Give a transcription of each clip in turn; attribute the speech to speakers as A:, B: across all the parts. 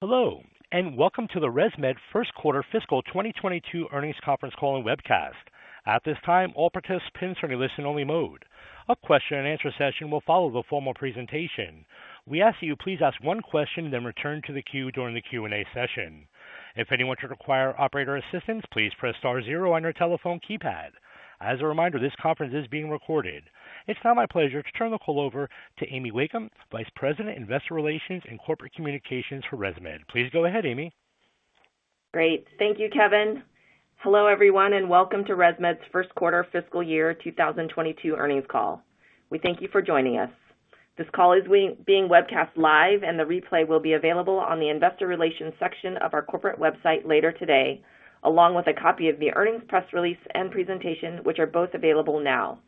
A: Hello, and welcome to the ResMed First Quarter Fiscal 2022 Earnings Conference Call and Webcast. At this time, all participants are in a listen-only mode. A question-and-answer session will follow the formal presentation. We ask that you please ask one question, then return to the queue during the Q&A session. If anyone should require operator assistance, please press star zero on your telephone keypad. As a reminder, this conference is being recorded. It's now my pleasure to turn the call over to Amy Wakeham, Vice President, Investor Relations and Corporate Communications for ResMed. Please go ahead, Amy.
B: Great. Thank you, Kevin. Hello, everyone, and welcome to ResMed's First Quarter Fiscal Year 2022 Earnings Call. We thank you for joining us. This call is being webcast live and the replay will be available on the Investor Relations section of our corporate website later today, along with a copy of the earnings press release and presentation, which are both available now.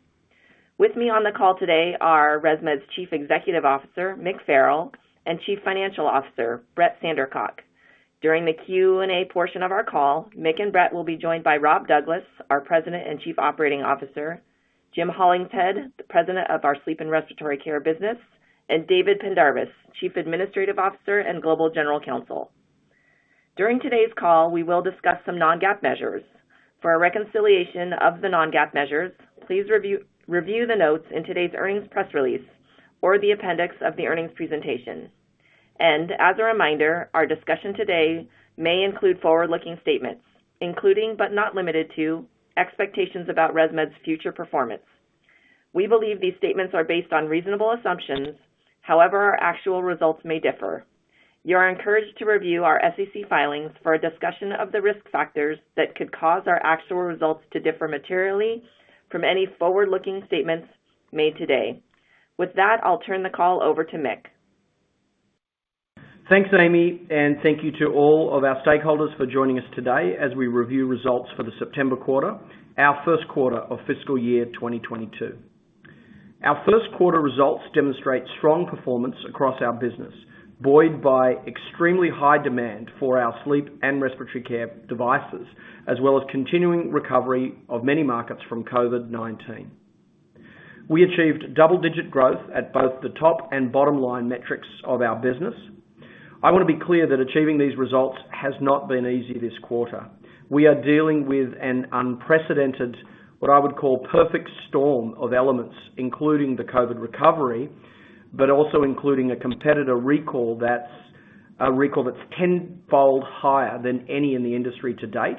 B: With me on the call today are ResMed's Chief Executive Officer, Mick Farrell, and Chief Financial Officer, Brett Sandercock. During the Q&A portion of our call, Mick and Brett will be joined by Rob Douglas, our President and Chief Operating Officer, Jim Hollingshead, the President of our Sleep and Respiratory Care business, and David Pendarvis, Chief Administrative Officer and Global General Counsel. During today's call, we will discuss some non-GAAP measures. For a reconciliation of the non-GAAP measures, please review the notes in today's earnings press release or the appendix of the earnings presentation. As a reminder, our discussion today may include forward-looking statements, including, but not limited to, expectations about ResMed's future performance. We believe these statements are based on reasonable assumptions. However, our actual results may differ. You are encouraged to review our SEC filings for a discussion of the risk factors that could cause our actual results to differ materially from any forward-looking statements made today. With that, I'll turn the call over to Mick.
C: Thanks, Amy, and thank you to all of our stakeholders for joining us today as we review results for the September quarter, our first quarter of fiscal year 2022. Our first quarter results demonstrate strong performance across our business, buoyed by extremely high demand for our sleep and respiratory care devices, as well as continuing recovery of many markets from COVID-19. We achieved double-digit growth at both the top and bottom-line metrics of our business. I want to be clear that achieving these results has not been easy this quarter. We are dealing with an unprecedented, what I would call, perfect storm of elements, including the COVID recovery, but also including a competitor recall that's tenfold higher than any in the industry to date,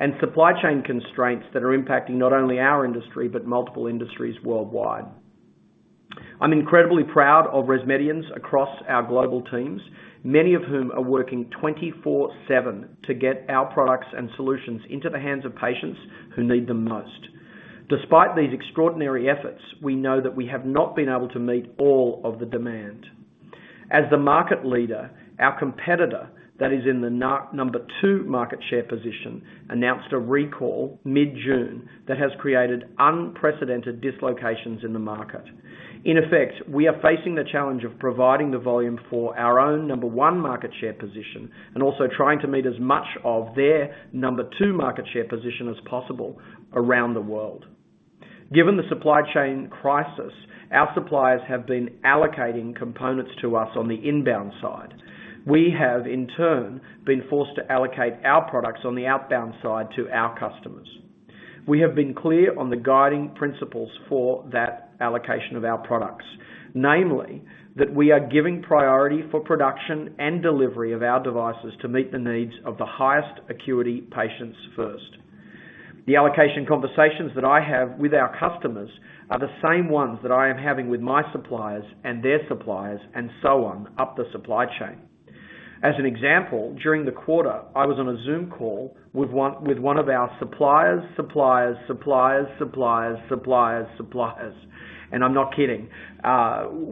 C: and supply chain constraints that are impacting not only our industry, but multiple industries worldwide. I'm incredibly proud of ResMedians across our global teams, many of whom are working 24/7 to get our products and solutions into the hands of patients who need them most. Despite these extraordinary efforts, we know that we have not been able to meet all of the demand. As the market leader, our competitor that is in the number two market share position announced a recall mid-June that has created unprecedented dislocations in the market. In effect, we are facing the challenge of providing the volume for our own number one market share position and also trying to meet as much of their number two market share position as possible around the world. Given the supply chain crisis, our suppliers have been allocating components to us on the inbound side. We have, in turn, been forced to allocate our products on the outbound side to our customers. We have been clear on the guiding principles for that allocation of our products, namely that we are giving priority for production and delivery of our devices to meet the needs of the highest acuity patients first. The allocation conversations that I have with our customers are the same ones that I am having with my suppliers and their suppliers and so on, up the supply chain. As an example, during the quarter, I was on a Zoom call with one of our supplier's supplier's supplier's supplier's supplier's suppliers. I'm not kidding.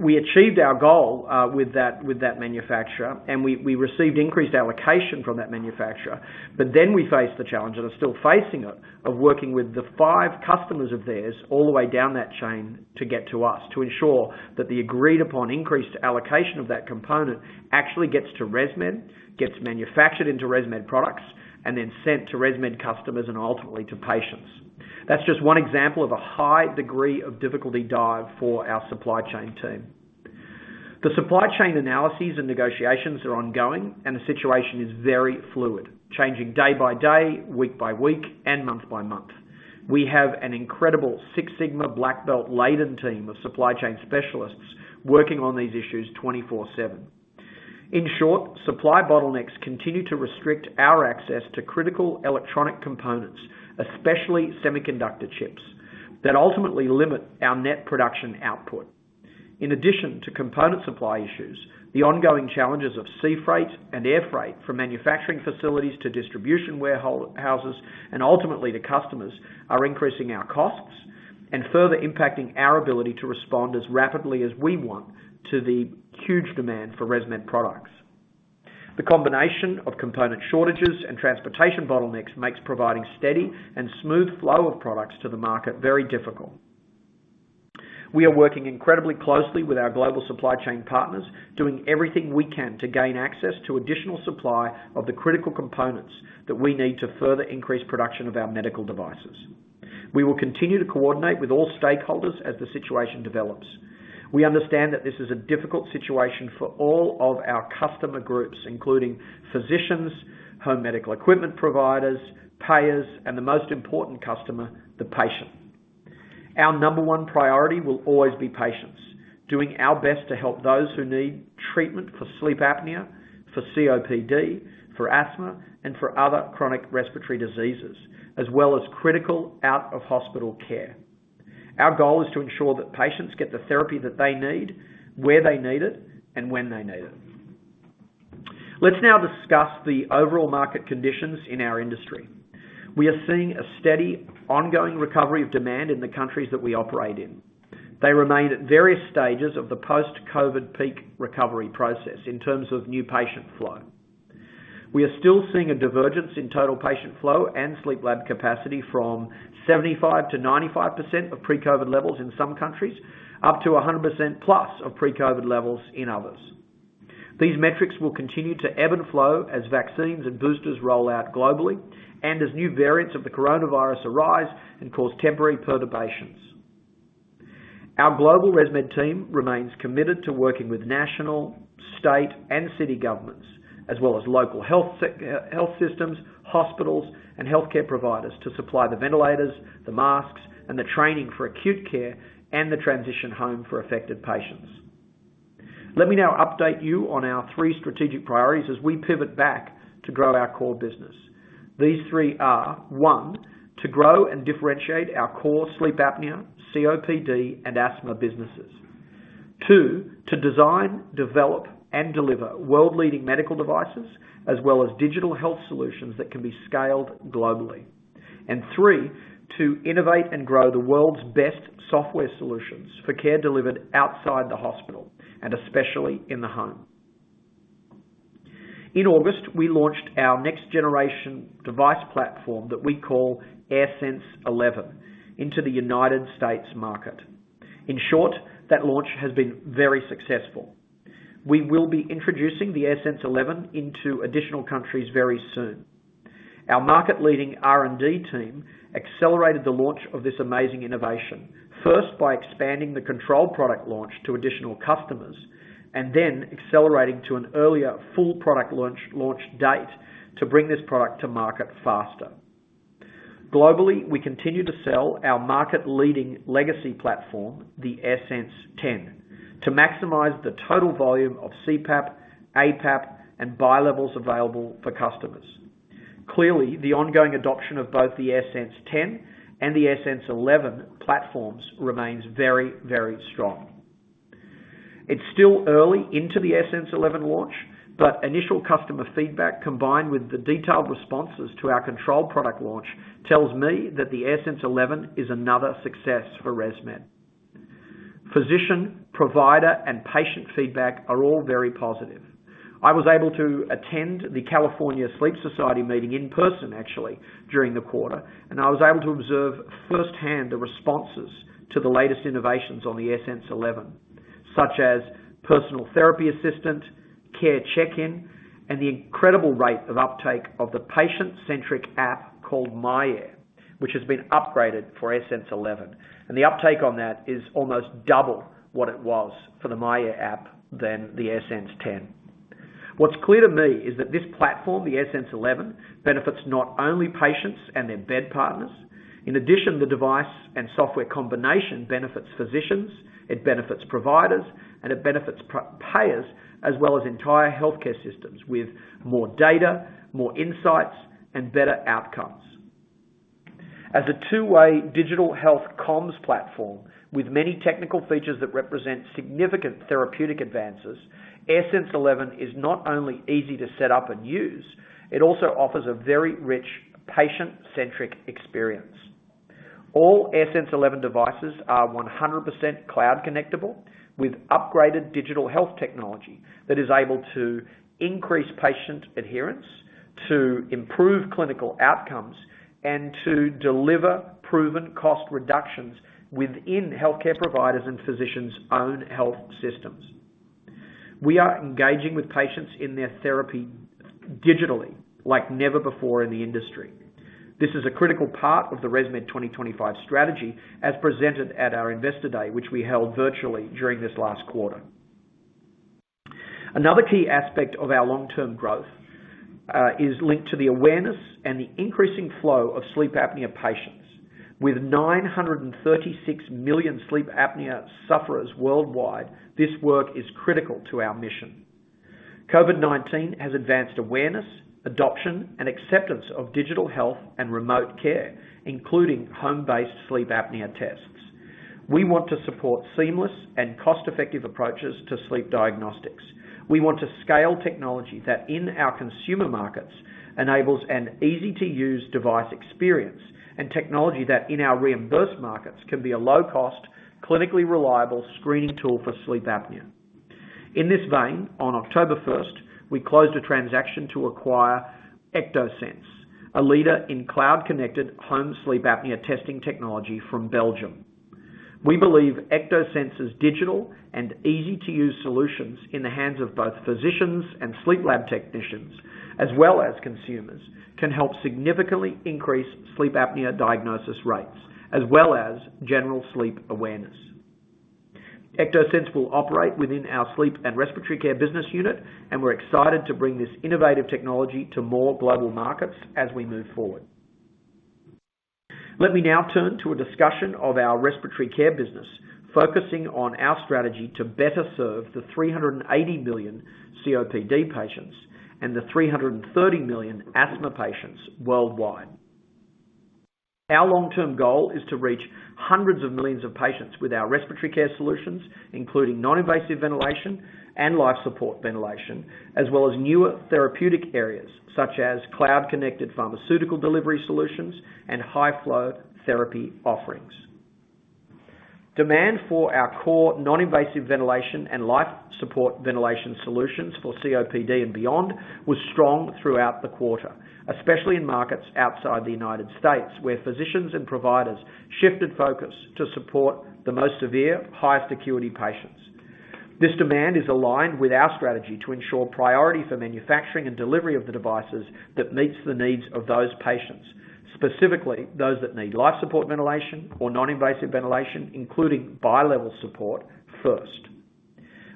C: We achieved our goal with that manufacturer, and we received increased allocation from that manufacturer. We faced the challenge, and are still facing it, of working with the five customers of theirs all the way down that chain to get to us, to ensure that the agreed upon increased allocation of that component actually gets to ResMed, gets manufactured into ResMed products, and then sent to ResMed customers and ultimately to patients. That's just one example of a high degree of difficulty dive for our supply chain team. The supply chain analyses and negotiations are ongoing and the situation is very fluid, changing day-by-day, week-by-week, and month-by-month. We have an incredible Six Sigma Black Belt-laden team of supply chain specialists working on these issues 24/7. In short, supply bottlenecks continue to restrict our access to critical electronic components, especially semiconductor chips, that ultimately limit our net production output. In addition to component supply issues, the ongoing challenges of sea freight and air freight from manufacturing facilities to distribution warehouses, and ultimately to customers, are increasing our costs and further impacting our ability to respond as rapidly as we want to the huge demand for ResMed products. The combination of component shortages and transportation bottlenecks makes providing steady and smooth flow of products to the market very difficult. We are working incredibly closely with our global supply chain partners, doing everything we can to gain access to additional supply of the critical components that we need to further increase production of our medical devices. We will continue to coordinate with all stakeholders as the situation develops. We understand that this is a difficult situation for all of our customer groups, including physicians, home medical equipment providers, payers, and the most important customer, the patient. Our number one priority will always be patients. Doing our best to help those who need treatment for sleep apnea, for COPD, for asthma, and for other chronic respiratory diseases, as well as critical out-of-hospital care. Our goal is to ensure that patients get the therapy that they need, where they need it, and when they need it. Let's now discuss the overall market conditions in our industry. We are seeing a steady, ongoing recovery of demand in the countries that we operate in. They remain at various stages of the post-COVID peak recovery process in terms of new patient flow. We are still seeing a divergence in total patient flow and sleep lab capacity from 75%-95% of pre-COVID-19 levels in some countries, up to 100%+ of pre-COVID levels in others. These metrics will continue to ebb and flow as vaccines and boosters roll out globally, and as new variants of the coronavirus arise and cause temporary perturbations. Our global ResMed team remains committed to working with national, state, and city governments, as well as local health systems, hospitals, and healthcare providers to supply the ventilators, the masks, and the training for acute care and the transition home for affected patients. Let me now update you on our three strategic priorities as we pivot back to grow our core business. These three are, one, to grow and differentiate our core sleep apnea, COPD, and asthma businesses. Two, to design, develop, and deliver world-leading medical devices as well as digital health solutions that can be scaled globally. Three, to innovate and grow the world's best software solutions for care delivered outside the hospital, and especially in the home. In August, we launched our next-generation device platform that we call AirSense 11 into the United States market. In short, that launch has been very successful. We will be introducing the AirSense 11 into additional countries very soon. Our market-leading R&D team accelerated the launch of this amazing innovation, first by expanding the controlled product launch to additional customers, and then accelerating to an earlier full product launch date to bring this product to market faster. Globally, we continue to sell our market-leading legacy platform, the AirSense 10, to maximize the total volume of CPAP, APAP, and bilevels available for customers. Clearly, the ongoing adoption of both the AirSense 10 and the AirSense 11 platforms remains very, very strong. It's still early into the AirSense 11 launch, but initial customer feedback, combined with the detailed responses to our controlled product launch, tells me that the AirSense 11 is another success for ResMed. Physician, provider, and patient feedback are all very positive. I was able to attend the California Sleep Society meeting in person, actually, during the quarter, and I was able to observe firsthand the responses to the latest innovations on the AirSense 11, such as Personal Therapy Assistant, Care Check-In, and the incredible rate of uptake of the patient-centric app called myAir, which has been upgraded for AirSense 11. The uptake on that is almost double what it was for the myAir app than the AirSense 10. What's clear to me is that this platform, the AirSense 11, benefits not only patients and their bed partners. In addition, the device and software combination benefits physicians, it benefits providers, and it benefits payers, as well as entire healthcare systems with more data, more insights, and better outcomes. As a two-way digital health comms platform with many technical features that represent significant therapeutic advances, AirSense 11 is not only easy to set up and use, it also offers a very rich patient-centric experience. All AirSense 11 devices are 100% cloud connectable with upgraded digital health technology that is able to increase patient adherence, to improve clinical outcomes, and to deliver proven cost reductions within healthcare providers' and physicians' own health systems. We are engaging with patients in their therapy digitally like never before in the industry. This is a critical part of the ResMed 2025 strategy as presented at our Investor Day, which we held virtually during this last quarter. Another key aspect of our long-term growth is linked to the awareness and the increasing flow of sleep apnea patients. With 936 million sleep apnea sufferers worldwide, this work is critical to our mission. COVID-19 has advanced awareness, adoption, and acceptance of digital health and remote care, including home-based sleep apnea tests. We want to support seamless and cost-effective approaches to sleep diagnostics. We want to scale technology that in our consumer markets enables an easy-to-use device experience and technology that, in our reimbursed markets, can be a low-cost, clinically reliable screening tool for sleep apnea. In this vein, on October first, we closed a transaction to acquire Ectosense, a leader in cloud-connected home sleep apnea testing technology from Belgium. We believe Ectosense's digital and easy-to-use solutions in the hands of both physicians and sleep lab technicians, as well as consumers, can help significantly increase sleep apnea diagnosis rates, as well as general sleep awareness. Ectosense will operate within our Sleep and Respiratory Care business unit, and we're excited to bring this innovative technology to more global markets as we move forward. Let me now turn to a discussion of our Respiratory Care business, focusing on our strategy to better serve the 380 million COPD patients and the 330 million asthma patients worldwide. Our long-term goal is to reach hundreds of millions of patients with our respiratory care solutions, including non-invasive ventilation and life-support ventilation, as well as newer therapeutic areas such as cloud-connected pharmaceutical delivery solutions and high-flow therapy offerings. Demand for our core non-invasive ventilation and life-support ventilation solutions for COPD and beyond was strong throughout the quarter, especially in markets outside the United States, where physicians and providers shifted focus to support the most severe, highest acuity patients. This demand is aligned with our strategy to ensure priority for manufacturing and delivery of the devices that meets the needs of those patients, specifically those that need life-support ventilation or non-invasive ventilation, including bilevel support, first.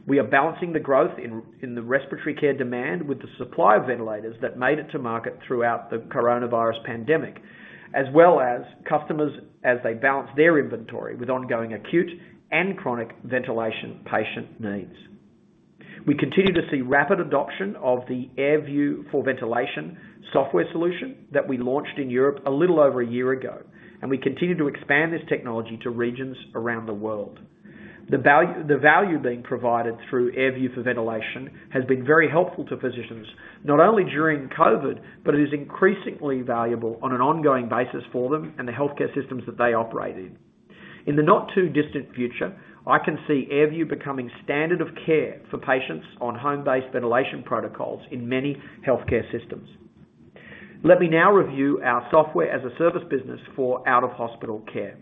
C: We are balancing the growth in the respiratory care demand with the supply of ventilators that made it to market throughout the coronavirus pandemic, as well as customers as they balance their inventory with ongoing acute and chronic ventilation patient needs. We continue to see rapid adoption of the AirView for Ventilation software solution that we launched in Europe a little over a year ago, and we continue to expand this technology to regions around the world. The value being provided through AirView for Ventilation has been very helpful to physicians, not only during COVID, but it is increasingly valuable on an ongoing basis for them and the healthcare systems that they operate in. In the not too distant future, I can see AirView becoming standard of care for patients on home-based ventilation protocols in many healthcare systems. Let me now review our Software as a Service business for out-of-hospital care.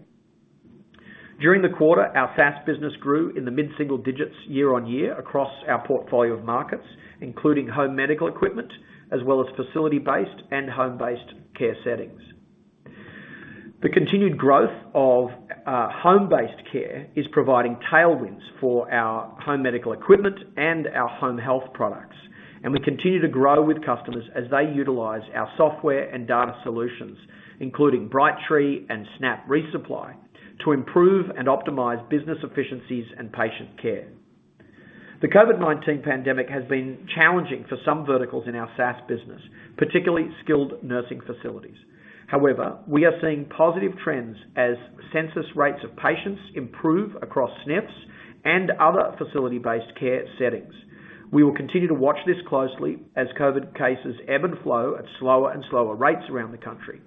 C: During the quarter, our SaaS business grew in the mid-single digits year-over-year across our portfolio of markets, including home medical equipment, as well as facility-based and home-based care settings. The continued growth of home-based care is providing tailwinds for our home medical equipment and our home health products, and we continue to grow with customers as they utilize our software and data solutions, including Brightree and Snap Resupply, to improve and optimize business efficiencies and patient care. The COVID-19 pandemic has been challenging for some verticals in our SaaS business, particularly skilled nursing facilities. However, we are seeing positive trends as census rates of patients improve across SNFs and other facility-based care settings. We will continue to watch this closely as COVID cases ebb and flow at slower and slower rates around the country.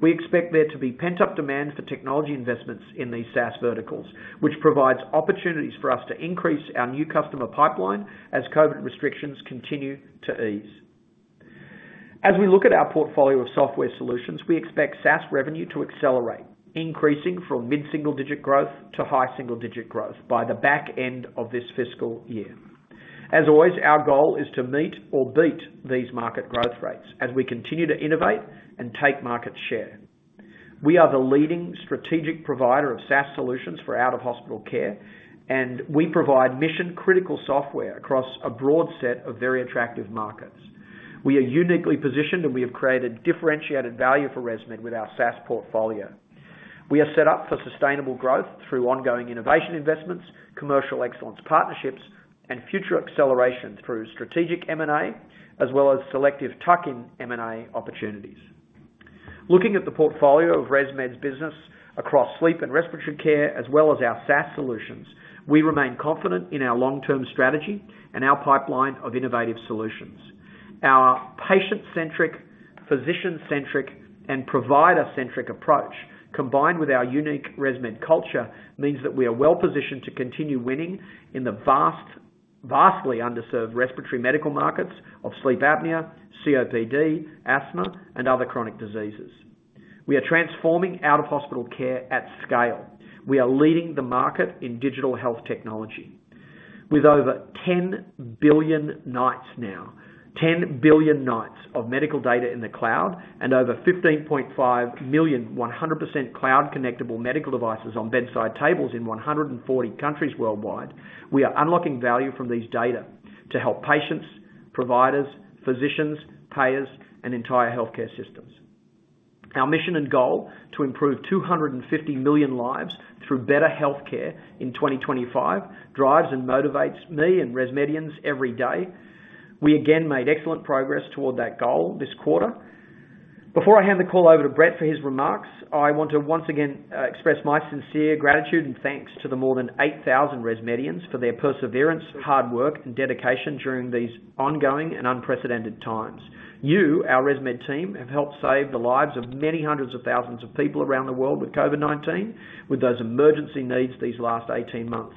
C: We expect there to be pent-up demand for technology investments in these SaaS verticals, which provides opportunities for us to increase our new customer pipeline as COVID restrictions continue to ease. As we look at our portfolio of software solutions, we expect SaaS revenue to accelerate, increasing from mid-single-digit growth to high single-digit growth by the back end of this fiscal year. As always, our goal is to meet or beat these market growth rates as we continue to innovate and take market share. We are the leading strategic provider of SaaS solutions for out-of-hospital care, and we provide mission-critical software across a broad set of very attractive markets. We are uniquely positioned, and we have created differentiated value for ResMed with our SaaS portfolio. We are set up for sustainable growth through ongoing innovation investments, commercial excellence partnerships, and future accelerations through strategic M&A, as well as selective tuck-in M&A opportunities. Looking at the portfolio of ResMed's business across Sleep and Respiratory Care, as well as our SaaS solutions, we remain confident in our long-term strategy and our pipeline of innovative solutions. Our patient-centric, physician-centric, and provider-centric approach, combined with our unique ResMed culture, means that we are well-positioned to continue winning in the vastly underserved respiratory medical markets of sleep apnea, COPD, asthma, and other chronic diseases. We are transforming out-of-hospital care at scale. We are leading the market in digital health technology. With over 10 billion nights now, 10 billion nights of medical data in the cloud and over 15.5 million 100% cloud-connectable medical devices on bedside tables in 140 countries worldwide, we are unlocking value from these data to help patients, providers, physicians, payers, and entire healthcare systems. Our mission and goal to improve 250 million lives through better health care in 2025 drives and motivates me and ResMedians every day. We again made excellent progress toward that goal this quarter. Before I hand the call over to Brett for his remarks, I want to once again express my sincere gratitude and thanks to the more than 8,000 ResMedians for their perseverance, hard work, and dedication during these ongoing and unprecedented times. You, our ResMed team, have helped save the lives of many hundreds of thousands of people around the world with COVID-19 with those emergency needs these last 18 months.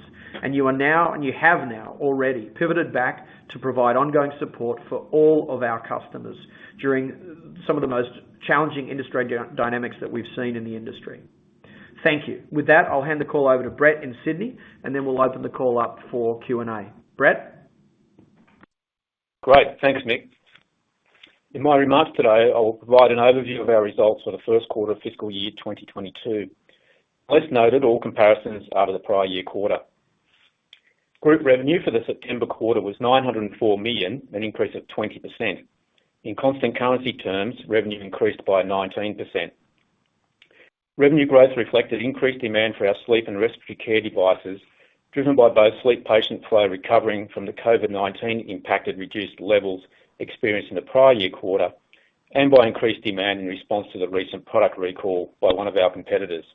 C: You are now, and you have now already pivoted back to provide ongoing support for all of our customers during some of the most challenging industry dynamics that we've seen in the industry. Thank you. With that, I'll hand the call over to Brett in Sydney, and then we'll open the call up for Q&A. Brett?
D: Great. Thanks, Mick. In my remarks today, I will provide an overview of our results for the first quarter of fiscal year 2022. As noted, all comparisons are to the prior year quarter. Group revenue for the September quarter was $904 million, an increase of 20%. In constant currency terms, revenue increased by 19%. Revenue growth reflected increased demand for our sleep and respiratory care devices, driven by both sleep patient flow recovering from the COVID-19 impacted reduced levels experienced in the prior year quarter. By increased demand in response to the recent product recall by one of our competitors.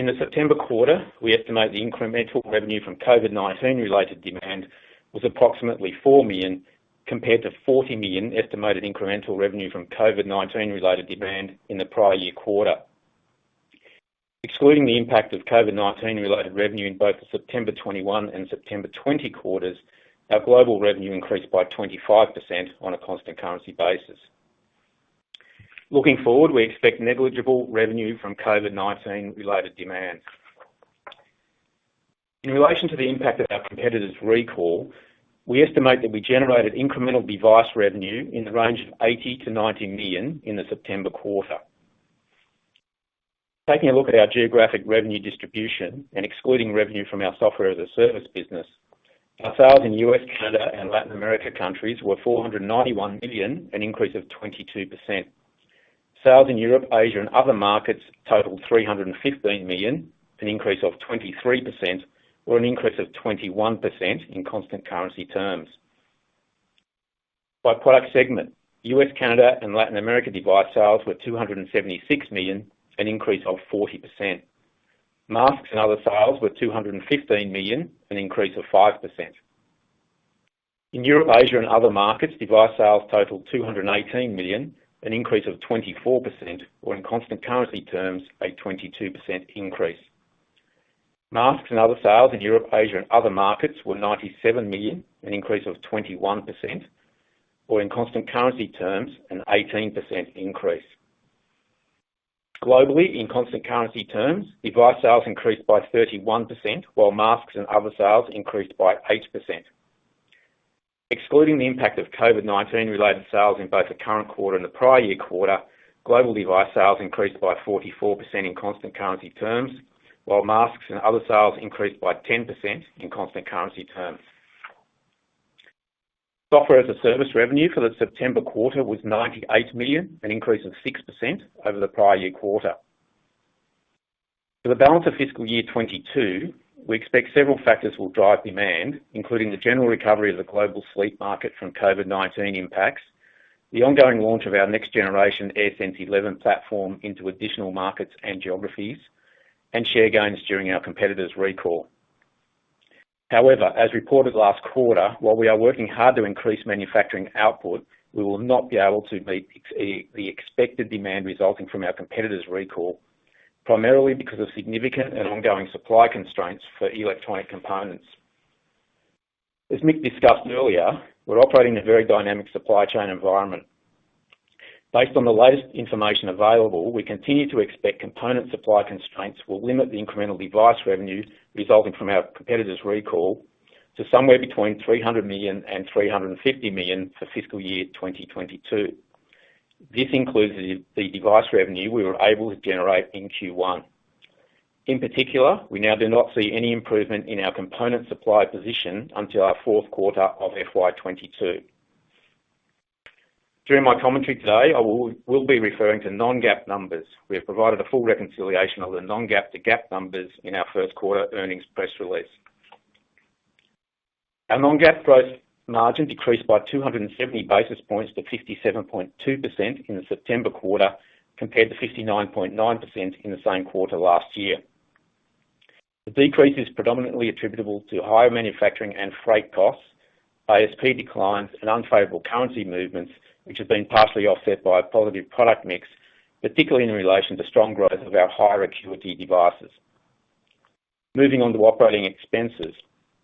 D: In the September quarter, we estimate the incremental revenue from COVID-19 related demand was approximately $4 million, compared to $40 million estimated incremental revenue from COVID-19 related demand in the prior year quarter. Excluding the impact of COVID-19 related revenue in both the September 2021 and September 2020 quarters, our global revenue increased by 25% on a constant currency basis. Looking forward, we expect negligible revenue from COVID-19 related demand. In relation to the impact of our competitor's recall, we estimate that we generated incremental device revenue in the range of $80 million-$90 million in the September quarter. Taking a look at our geographic revenue distribution and excluding revenue from our software as a service business, our sales in U.S., Canada and Latin America countries were $491 million, an increase of 22%. Sales in Europe, Asia, and other markets totaled $315 million, an increase of 23%, or an increase of 21% in constant currency terms. By product segment, U.S., Canada, and Latin America device sales were $276 million, an increase of 40%. Masks and other sales were $215 million, an increase of 5%. In Europe, Asia, and other markets, device sales totaled $218 million, an increase of 24%, or in constant currency terms, a 22% increase. Masks and other sales in Europe, Asia, and other markets were $97 million, an increase of 21%, or in constant currency terms, an 18% increase. Globally, in constant currency terms, device sales increased by 31%, while masks and other sales increased by 8%. Excluding the impact of COVID-19 related sales in both the current quarter and the prior year quarter, global device sales increased by 44% in constant currency terms, while masks and other sales increased by 10% in constant currency terms. Software as a Service revenue for the September quarter was $98 million, an increase of 6% over the prior year quarter. For the balance of fiscal year 2022, we expect several factors will drive demand, including the general recovery of the global sleep market from COVID-19 impacts, the ongoing launch of our next generation AirSense 11 platform into additional markets and geographies, and share gains during our competitor's recall. However, as reported last quarter, while we are working hard to increase manufacturing output, we will not be able to meet the expected demand resulting from our competitor's recall, primarily because of significant and ongoing supply constraints for electronic components. As Mick discussed earlier, we're operating in a very dynamic supply chain environment. Based on the latest information available, we continue to expect component supply constraints will limit the incremental device revenue resulting from our competitor's recall to somewhere between $300 million and $350 million for fiscal year 2022. This includes the device revenue we were able to generate in Q1. In particular, we now do not see any improvement in our component supply position until our fourth quarter of FY 2022. During my commentary today, I will be referring to non-GAAP numbers. We have provided a full reconciliation of the non-GAAP to GAAP numbers in our first quarter earnings press release. Our non-GAAP gross margin decreased by 270 basis points to 57.2% in the September quarter, compared to 59.9% in the same quarter last year. The decrease is predominantly attributable to higher manufacturing and freight costs, ASP declines, and unfavorable currency movements, which have been partially offset by a positive product mix, particularly in relation to strong growth of our higher acuity devices. Moving on to operating expenses.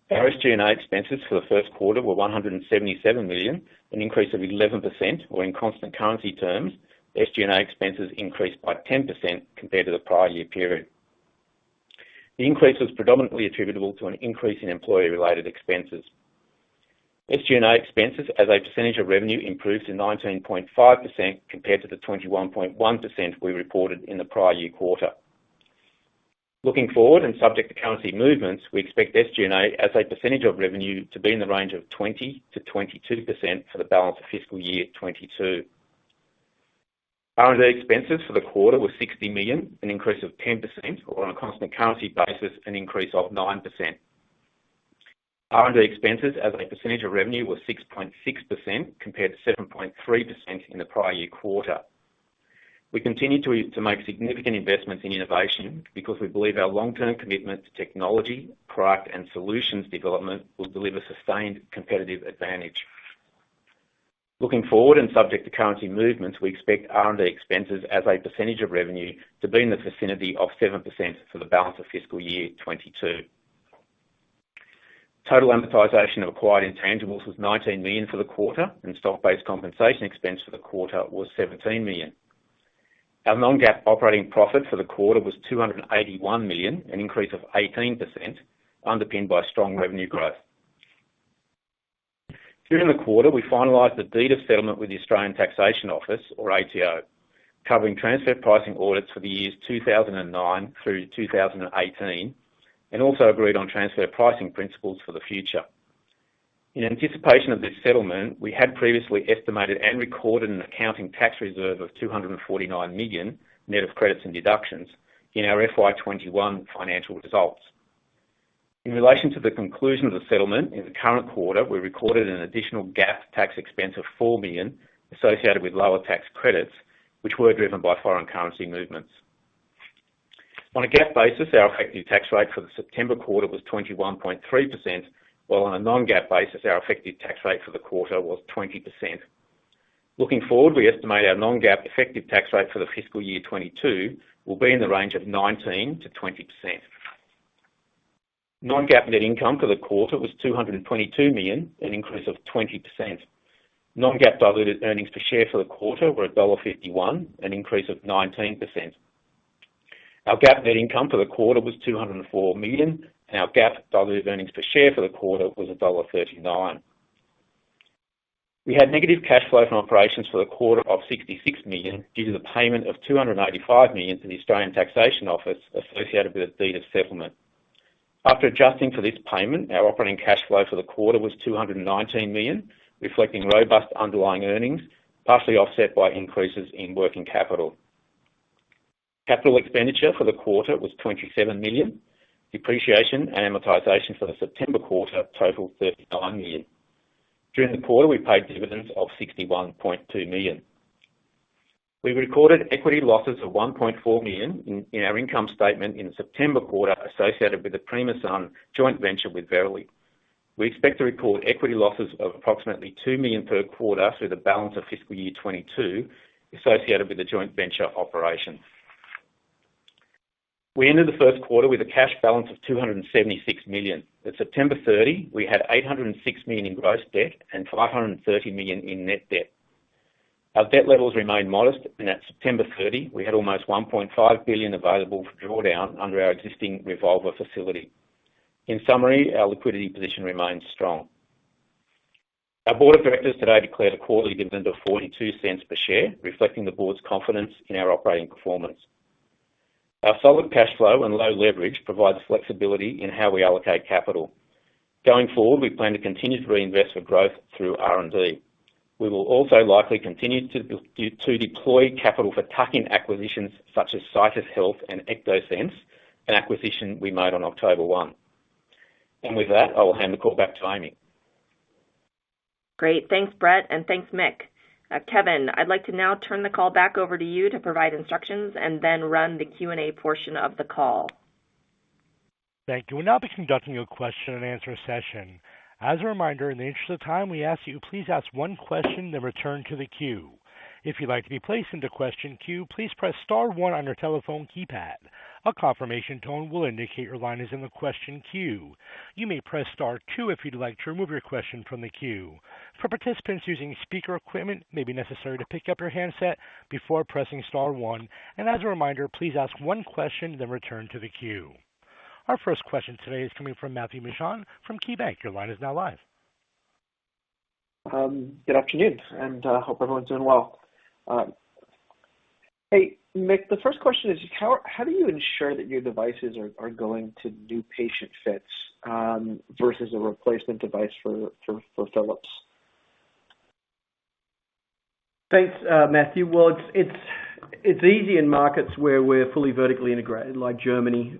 D: Our SG&A expenses for the first quarter were $177 million, an increase of 11%, or in constant currency terms, SG&A expenses increased by 10% compared to the prior year period. The increase was predominantly attributable to an increase in employee related expenses. SG&A expenses as a percentage of revenue improved to 19.5% compared to the 21.1% we reported in the prior year quarter. Looking forward, and subject to currency movements, we expect SG&A as a percentage of revenue to be in the range of 20%-22% for the balance of fiscal year 2022. R&D expenses for the quarter were $60 million, an increase of 10%, or on a constant currency basis, an increase of 9%. R&D expenses as a percentage of revenue were 6.6% compared to 7.3% in the prior year quarter. We continue to make significant investments in innovation because we believe our long-term commitment to technology, product, and solutions development will deliver sustained competitive advantage. Looking forward, and subject to currency movements, we expect R&D expenses as a percentage of revenue to be in the vicinity of 7% for the balance of fiscal year 2022. Total amortization of acquired intangibles was $19 million for the quarter, and stock-based compensation expense for the quarter was $17 million. Our non-GAAP operating profit for the quarter was $281 million, an increase of 18%, underpinned by strong revenue growth. During the quarter, we finalized the Deed of Settlement with the Australian Taxation Office or ATO, covering transfer pricing audits for the years 2009 through 2018, and also agreed on transfer pricing principles for the future. In anticipation of this settlement, we had previously estimated and recorded an accounting tax reserve of $249 million, net of credits and deductions in our FY 2021 financial results. In relation to the conclusion of the settlement, in the current quarter, we recorded an additional GAAP tax expense of $4 million associated with lower tax credits, which were driven by foreign currency movements. On a GAAP basis, our effective tax rate for the September quarter was 21.3%, while on a non-GAAP basis, our effective tax rate for the quarter was 20%. Looking forward, we estimate our non-GAAP effective tax rate for the fiscal year 2022 will be in the range of 19%-20%. Non-GAAP net income for the quarter was $222 million, an increase of 20%. Non-GAAP diluted earnings per share for the quarter were $1.51, an increase of 19%. Our GAAP net income for the quarter was $204 million, and our GAAP diluted earnings per share for the quarter was $1.39. We had negative cash flow from operations for the quarter of $66 million due to the payment of $285 million to the Australian Taxation Office associated with the Deed of Settlement. After adjusting for this payment, our operating cash flow for the quarter was $219 million, reflecting robust underlying earnings, partially offset by increases in working capital. Capital expenditure for the quarter was $27 million. Depreciation and amortization for the September quarter totaled $39 million. During the quarter, we paid dividends of $61.2 million. We recorded equity losses of $1.4 million in our income statement in the September quarter associated with the Primasun joint venture with Verily. We expect to record equity losses of approximately $2 million per quarter through the balance of fiscal year 2022 associated with the joint venture operations. We ended the first quarter with a cash balance of $276 million. At September 30, we had $806 million in gross debt and $530 million in net debt. Our debt levels remain modest, and at September 30, we had almost $1.5 billion available for drawdown under our existing revolver facility. In summary, our liquidity position remains strong. Our Board of Directors today declared a quarterly dividend of $0.42 per share, reflecting the Board's confidence in our operating performance. Our solid cash flow and low leverage provides flexibility in how we allocate capital. Going forward, we plan to continue to reinvest for growth through R&D. We will also likely continue to deploy capital for tuck-in acquisitions such as Citus Health and Ectosense, an acquisition we made on October 1. With that, I will hand the call back to Amy.
B: Great. Thanks, Brett, and thanks, Mick. Kevin, I'd like to now turn the call back over to you to provide instructions and then run the Q&A portion of the call.
A: Thank you. We'll now be conducting a question-and-answer session. As a reminder, in the interest of time, we ask you please ask one question, then return to the queue. If you'd like to be placed into question queue, please press star one on your telephone keypad. A confirmation tone will indicate your line is in the question queue. You may press star two if you'd like to remove your question from the queue. For participants using speaker equipment, it may be necessary to pick up your handset before pressing star one. As a reminder, please ask one question, then return to the queue. Our first question today is coming from Matthew Mishan from KeyBanc. Your line is now live.
E: Good afternoon, and hope everyone's doing well. Hey, Mick, the first question is how do you ensure that your devices are going to do patient fits versus a replacement device for Philips?
C: Thanks, Matthew. Well, it's easy in markets where we're fully vertically integrated like Germany,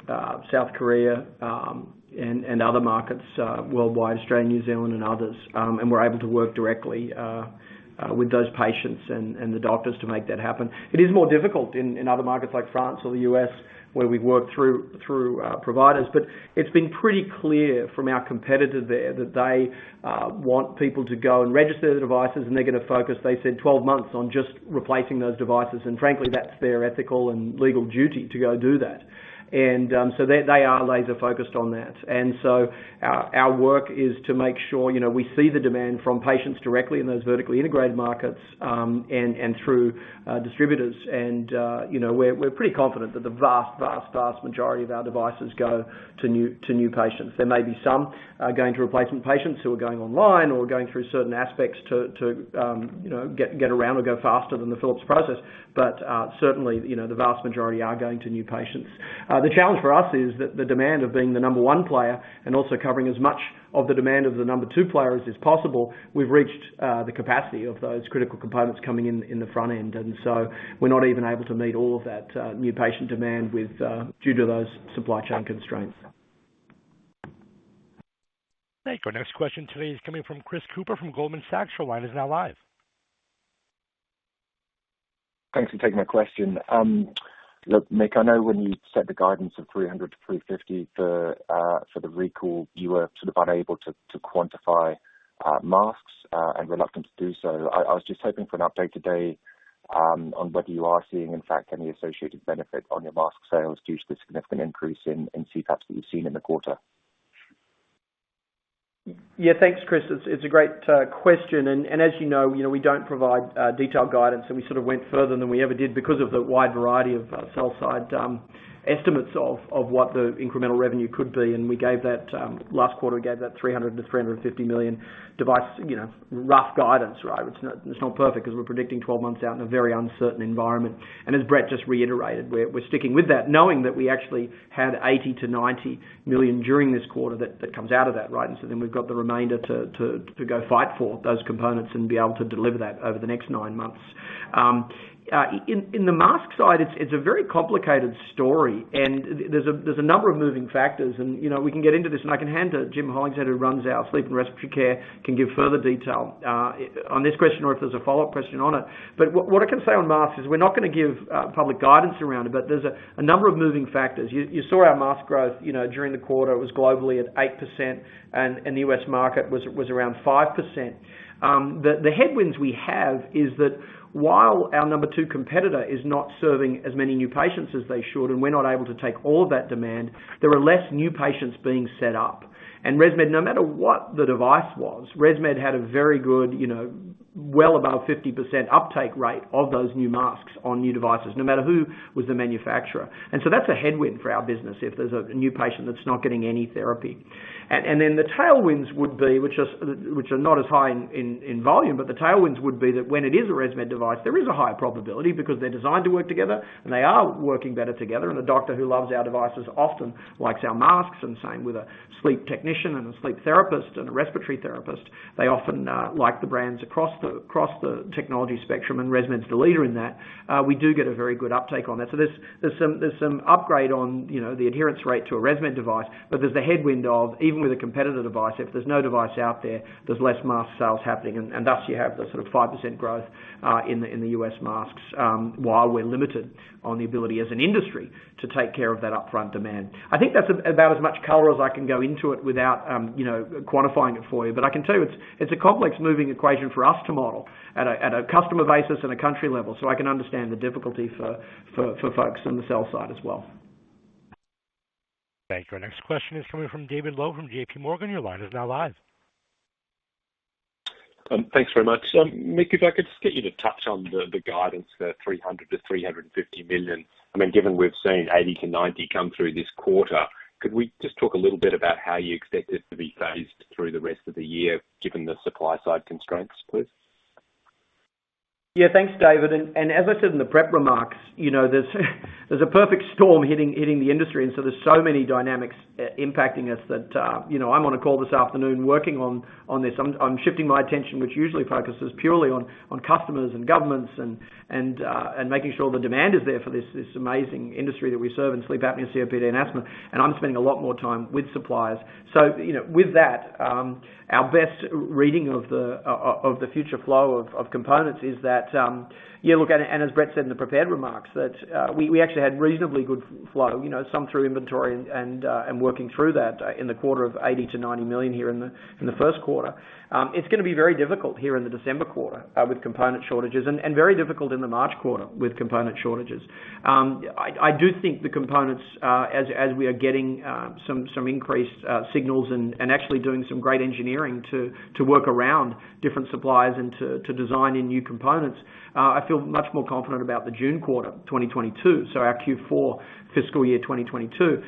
C: South Korea, and other markets worldwide, Australia, New Zealand and others. We're able to work directly with those patients and the doctors to make that happen. It is more difficult in other markets like France or the U.S. where we work through providers. It's been pretty clear from our competitor there that they want people to go and register the devices, and they're gonna focus—they said 12 months on just replacing those devices. Frankly, that's their ethical and legal duty to go do that. They are laser-focused on that. Our work is to make sure, you know, we see the demand from patients directly in those vertically integrated markets, and through distributors. You know, we're pretty confident that the vast majority of our devices go to new patients. There may be some going to replacement patients who are going online or going through certain aspects to, you know, get around or go faster than the Philips process. Certainly, you know, the vast majority are going to new patients. The challenge for us is that the demand of being the number one player and also covering as much of the demand of the number two player as is possible. We've reached the capacity of those critical components coming in in the front end, and so we're not even able to meet all of that new patient demand due to those supply chain constraints.
A: Thank you. Our next question today is coming from Chris Cooper from Goldman Sachs. Your line is now live.
F: Thanks for taking my question. Look, Mick, I know when you set the guidance of $300 million-$350 million for the recall, you were sort of unable to quantify masks and reluctant to do so. I was just hoping for an update today on whether you are seeing, in fact, any associated benefit on your mask sales due to the significant increase in CPAPs that you've seen in the quarter.
C: Yeah. Thanks, Chris. It's a great question. As you know, you know, we don't provide detailed guidance, and we sort of went further than we ever did because of the wide variety of sell-side estimates of what the incremental revenue could be. We gave that last quarter $300 million-$350 million device rough guidance, right? It's not perfect 'cause we're predicting 12 months out in a very uncertain environment. As Brett just reiterated, we're sticking with that, knowing that we actually had $80 million-$90 million during this quarter that comes out of that, right? We've got the remainder to go fight for those components and be able to deliver that over the next nine months. In the mask side, it's a very complicated story, and there's a number of moving factors. You know, we can get into this, and I can hand to Jim Hollingshead, who runs our Sleep and Respiratory Care, can give further detail on this question or if there's a follow-up question on it. But what I can say on masks is we're not gonna give public guidance around it, but there's a number of moving factors. You saw our mask growth, you know, during the quarter. It was globally at 8% and the U.S. market was around 5%. The headwinds we have is that while our number two competitor is not serving as many new patients as they should, and we're not able to take all of that demand, there are less new patients being set up. ResMed, no matter what the device was, ResMed had a very good, you know, well above 50% uptake rate of those new masks on new devices, no matter who was the manufacturer. That's a headwind for our business if there's a new patient that's not getting any therapy. The tailwinds would be, which are not as high in volume, but the tailwinds would be that when it is a ResMed device, there is a higher probability because they're designed to work together, and they are working better together. A doctor who loves our devices often likes our masks, and same with a sleep technician and a sleep therapist and a respiratory therapist. They often like the brands across the technology spectrum, and ResMed's the leader in that. We do get a very good uptake on that. There's some upgrade on, you know, the adherence rate to a ResMed device, but there's the headwind of even with a competitor device, if there's no device out there's less mask sales happening. Thus, you have the sort of 5% growth in the U.S. masks while we're limited on the ability as an industry to take care of that upfront demand. I think that's about as much color as I can go into it without, you know, quantifying it for you. I can tell you it's a complex moving equation for us to model at a customer basis and a country level, so I can understand the difficulty for folks on the sell side as well.
A: Thank you. Our next question is coming from David Low from JPMorgan. Your line is now live.
G: Thanks very much. Mick, if I could just get you to touch on the guidance for $300 million-$350 million. I mean, given we've seen $80 million-$90 million come through this quarter, could we just talk a little bit about how you expect this to be phased through the rest of the year, given the supply side constraints, please?
C: Yeah. Thanks, David. As I said in the prep remarks, you know, there's a perfect storm hitting the industry, and there's so many dynamics impacting us that, you know, I'm on a call this afternoon working on this. I'm shifting my attention, which usually focuses purely on customers and governments and making sure all the demand is there for this amazing industry that we serve in sleep apnea, COPD, and asthma, and I'm spending a lot more time with suppliers. With that, our best reading of the future flow of components is that... Yeah, look, as Brett said in the prepared remarks, that we actually had reasonably good flow, you know, some through inventory and working through that in the quarter of $80 million-$90 million here in the first quarter. It's gonna be very difficult here in the December quarter with component shortages and very difficult in the March quarter with component shortages. I do think the components as we are getting some increased signals and actually doing some great engineering to work around different suppliers and to design in new components. I feel much more confident about the June quarter 2022, so our Q4 fiscal year 2022. You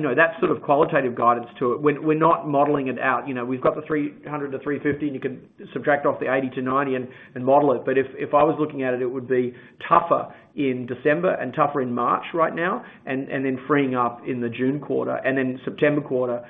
C: know, that's sort of qualitative guidance to it. We're not modeling it out. You know, we've got the $300 million-$350 million, and you can subtract off the $80 million-$90 million and model it. If I was looking at it would be tougher in December and tougher in March right now, and then freeing up in the June quarter. September quarter,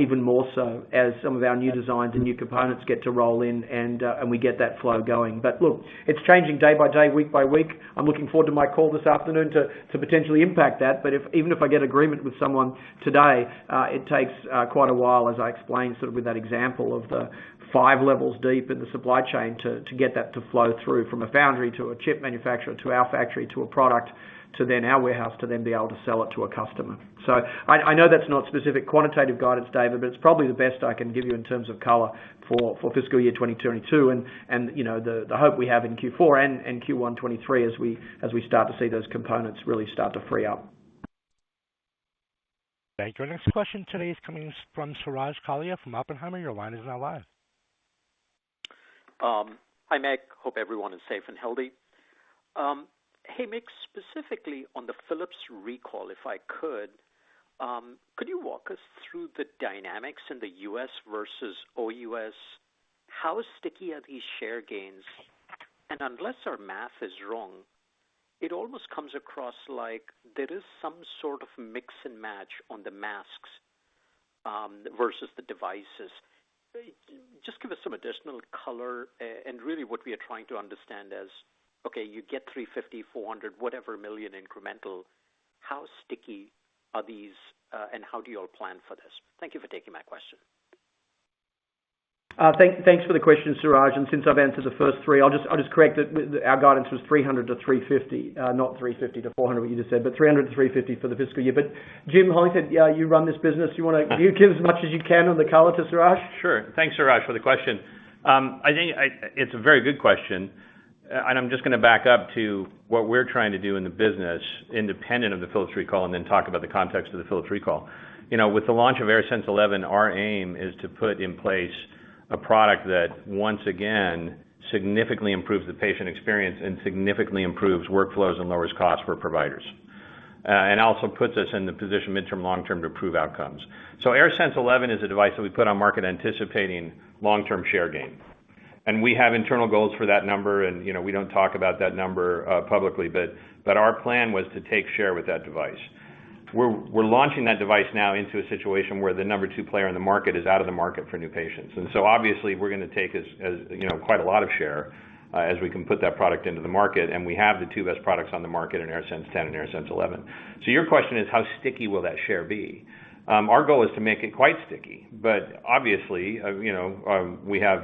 C: even more so as some of our new designs and new components get to roll in and we get that flow going. Look, it's changing day-by-day, week-by-week. I'm looking forward to my call this afternoon to potentially impact that. If... Even if I get agreement with someone today, it takes quite a while, as I explained sort of with that example of the five levels deep in the supply chain to get that to flow through from a foundry to a chip manufacturer to our factory to a product to then our warehouse to then be able to sell it to a customer. I know that's not specific quantitative guidance, David, but it's probably the best I can give you in terms of color for fiscal year 2022. You know, the hope we have in Q4 and in Q1 2023 as we start to see those components really start to free up.
A: Thank you. Our next question today is coming from Suraj Kalia from Oppenheimer. Your line is now live.
H: Hi, Mick. Hope everyone is safe and healthy. Hey, Mick, specifically on the Philips recall, if I could you, could you walk us through the dynamics in the U.S. versus O.U.S.? How sticky are these share gains? Unless our math is wrong, it almost comes across like there is some sort of mix and match on the masks versus the devices. Just give us some additional color. Really what we are trying to understand is, okay, you get $350 million-$400 million, whatever million incremental. How sticky are these, and how do you all plan for this? Thank you for taking my question.
C: Thanks for the question, Suraj. Since I've answered the first three, I'll just correct that our guidance was $300 million-$350 million, not $350 million-$400 million, what you just said, but $300 million-$350 million for the fiscal year. Jim Hollingshead, yeah, you run this business. You wanna give as much as you can on the color to Suraj?
I: Sure. Thanks, Suraj, for the question. It's a very good question. I'm just gonna back up to what we're trying to do in the business, independent of the Philips recall, and then talk about the context of the Philips recall. You know, with the launch of AirSense 11, our aim is to put in place a product that once again significantly improves the patient experience and significantly improves workflows and lowers costs for providers. It also puts us in the position mid-term, long-term to improve outcomes. AirSense 11 is a device that we put on market anticipating long-term share gain. We have internal goals for that number and, you know, we don't talk about that number publicly, but our plan was to take share with that device. We're launching that device now into a situation where the number two player in the market is out of the market for new patients. Obviously we're gonna take as much as you know, quite a lot of share as we can put that product into the market, and we have the two best products on the market in AirSense 10 and AirSense 11. Your question is how sticky will that share be? Our goal is to make it quite sticky, but obviously, you know, we have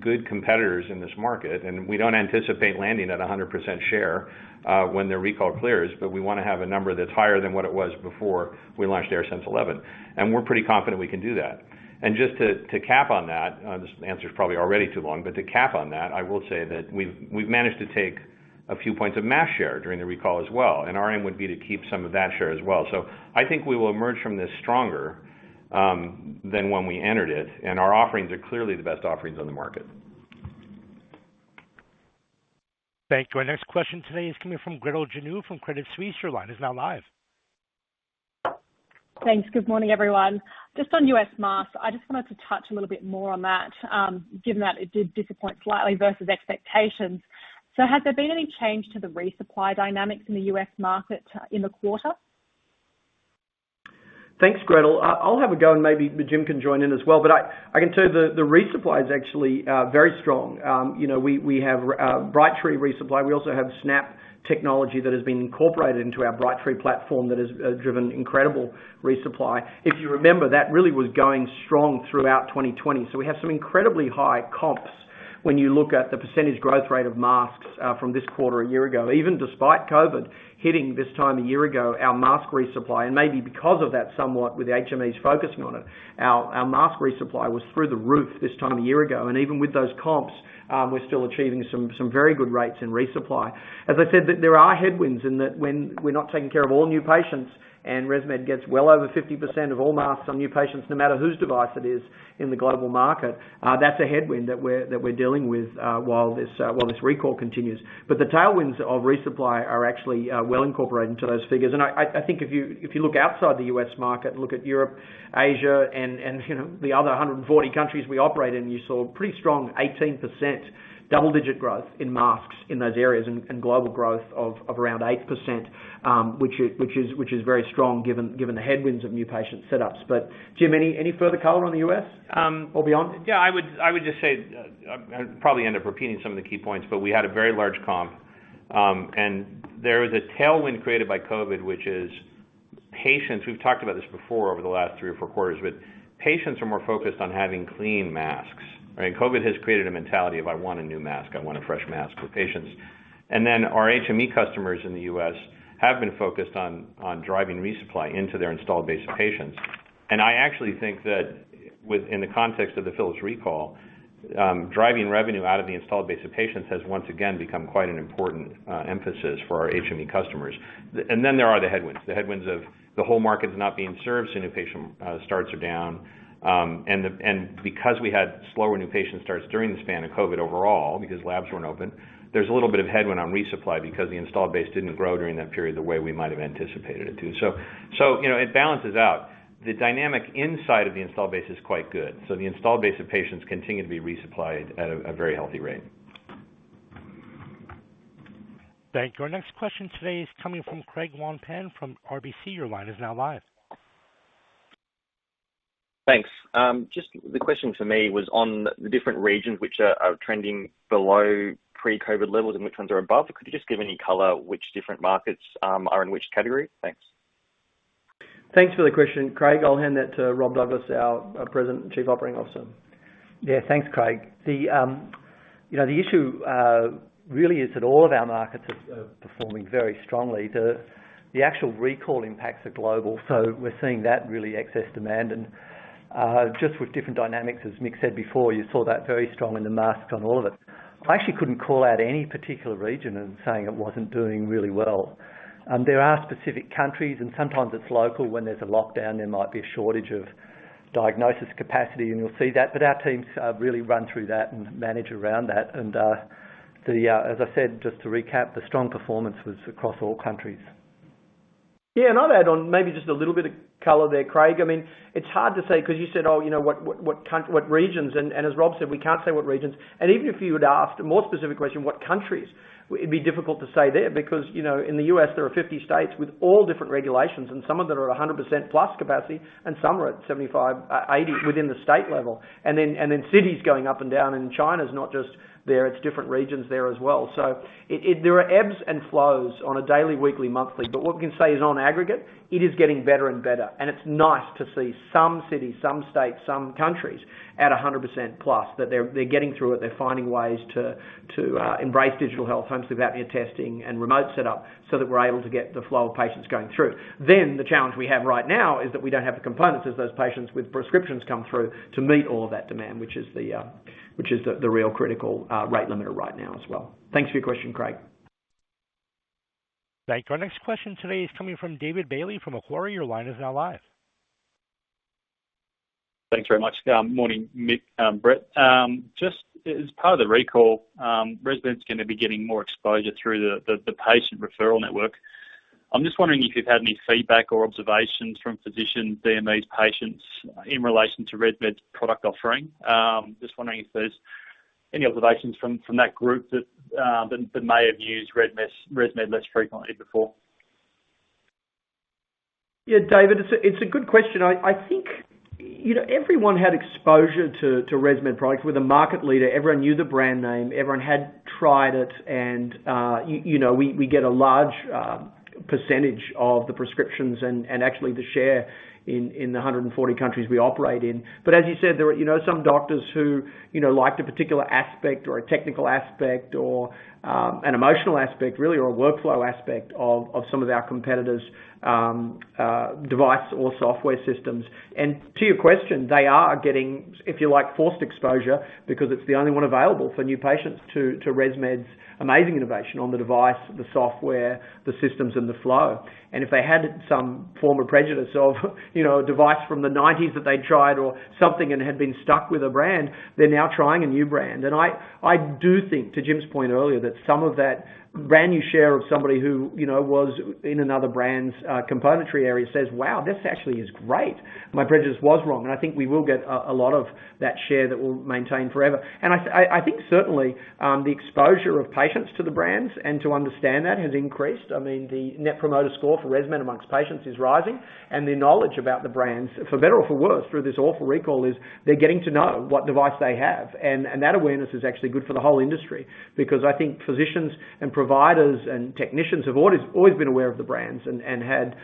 I: good competitors in this market, and we don't anticipate landing at a 100% share when their recall clears, but we wanna have a number that's higher than what it was before we launched AirSense 11. We're pretty confident we can do that. Just to cap on that, this answer's probably already too long, but to cap on that, I will say that we've managed to take a few points of mask share during the recall as well, and our aim would be to keep some of that share as well. I think we will emerge from this stronger than when we entered it, and our offerings are clearly the best offerings on the market.
A: Thank you. Our next question today is coming from Gretel Janu from Credit Suisse. Your line is now live.
J: Thanks. Good morning, everyone. Just on U.S. masks, I just wanted to touch a little bit more on that, given that it did disappoint slightly versus expectations. Has there been any change to the resupply dynamics in the U.S. market in the quarter?
C: Thanks, Gretel. I'll have a go and maybe Jim can join in as well. I can tell you the resupply is actually very strong. You know, we have Brightree ReSupply. We also have Snap technology that has been incorporated into our Brightree platform that has driven incredible resupply. If you remember, that really was going strong throughout 2020. We have some incredibly high comps when you look at the percentage growth rate of masks from this quarter a year ago. Even despite COVID hitting this time a year ago, our mask resupply, and maybe because of that somewhat with HMEs focusing on it, our mask resupply was through the roof this time a year ago. Even with those comps, we're still achieving some very good rates in resupply. As I said, there are headwinds in that when we're not taking care of all new patients and ResMed gets well over 50% of all masks on new patients, no matter whose device it is in the global market, that's a headwind that we're dealing with while this recall continues. The tailwinds of resupply are actually well incorporated into those figures. I think if you look outside the U.S. market, look at Europe, Asia, and, you know, the other 140 countries we operate in, you saw pretty strong 18% double-digit growth in masks in those areas, and global growth of around 8%, which is very strong given the headwinds of new patient setups. Jim, any further color on the U.S., or beyond?
I: I would just say, I'll probably end up repeating some of the key points, but we had a very large comp. There is a tailwind created by COVID, which is patients. We've talked about this before over the last three or four quarters, but patients are more focused on having clean masks, right? COVID has created a mentality of, "I want a new mask, I want a fresh mask" for patients. Then our HME customers in the U.S. have been focused on driving resupply into their installed base of patients. I actually think that in the context of the Philips recall, driving revenue out of the installed base of patients has once again become quite an important emphasis for our HME customers. There are the headwinds, the headwinds of the whole market not being served, so new patient starts are down. Because we had slower new patient starts during the span of COVID overall, because labs weren't open, there's a little bit of headwind on resupply because the installed base didn't grow during that period the way we might have anticipated it to. So, you know, it balances out. The dynamic inside of the installed base is quite good. So the installed base of patients continue to be resupplied at a very healthy rate.
A: Thank you. Our next question today is coming from Craig Wong-Pan from RBC. Your line is now live.
K: Thanks. Just the question for me was on the different regions which are trending below pre-COVID levels and which ones are above. Could you just give any color which different markets are in which category? Thanks.
C: Thanks for the question, Craig. I'll hand that to Rob Douglas, our President and Chief Operating Officer.
L: Yeah. Thanks, Craig. The you know the issue really is that all of our markets are performing very strongly. The actual recall impacts are global, so we're seeing that really excess demand and just with different dynamics, as Mick said before, you saw that very strong in the mask on all of it. I actually couldn't call out any particular region and saying it wasn't doing really well. There are specific countries, and sometimes it's local. When there's a lockdown, there might be a shortage of diagnosis capacity, and you'll see that. But our teams really run through that and manage around that. As I said, just to recap, the strong performance was across all countries.
C: Yeah. I'll add on maybe just a little bit of color there, Craig. I mean, it's hard to say 'cause you said, "Oh, you know, what regions?" As Rob said, we can't say what regions. Even if you'd asked a more specific question, what countries, it'd be difficult to say there because, you know, in the U.S., there are 50 states with all different regulations, and some of them are at 100%+ capacity, and some are at 75%, 80% within the state level. Cities going up and down, and China's not just there, it's different regions there as well. There are ebbs and flows on a daily, weekly, monthly, but what we can say is on aggregate, it is getting better and better. It's nice to see some cities, some states, some countries at 100%+, that they're getting through it. They're finding ways to embrace digital health, home sleep apnea testing, and remote setup, so that we're able to get the flow of patients going through. The challenge we have right now is that we don't have the components as those patients with prescriptions come through to meet all of that demand, which is the real critical rate limiter right now as well. Thanks for your question, Craig.
A: Thank you. Our next question today is coming from David Bailey from Macquarie. Your line is now live.
M: Thanks very much. Morning, Mick, Brett. Just as part of the recall, ResMed's gonna be getting more exposure through the patient referral network. I'm just wondering if you've had any feedback or observations from physicians seeing these patients in relation to ResMed's product offering. Just wondering if there's any observations from that group that may have used ResMed less frequently before.
C: Yeah. David, it's a good question. I think, you know, everyone had exposure to ResMed products. We're the market leader. Everyone knew the brand name, everyone had tried it and you know, we get a large percentage of the prescriptions and actually the share in the 140 countries we operate in. But as you said, there were you know, some doctors who you know, liked a particular aspect or a technical aspect or an emotional aspect really, or a workflow aspect of some of our competitors' device or software systems. To your question, they are getting, if you like, forced exposure because it's the only one available for new patients to ResMed's amazing innovation on the device, the software, the systems and the flow. If they had some form of prejudice of, you know, a device from the 1990s that they tried or something and had been stuck with a brand, they're now trying a new brand. I do think, to Jim's point earlier, that some of that brand new share of somebody who, you know, was in another brand's componentry area says, "Wow, this actually is great. My prejudice was wrong." I think we will get a lot of that share that we'll maintain forever. I think certainly the exposure of patients to the brands and to understand that has increased. I mean, the net promoter score for ResMed amongst patients is rising, and their knowledge about the brands, for better or for worse, through this awful recall, is they're getting to know what device they have. that awareness is actually good for the whole industry because I think physicians and providers and technicians have always been aware of the brands and had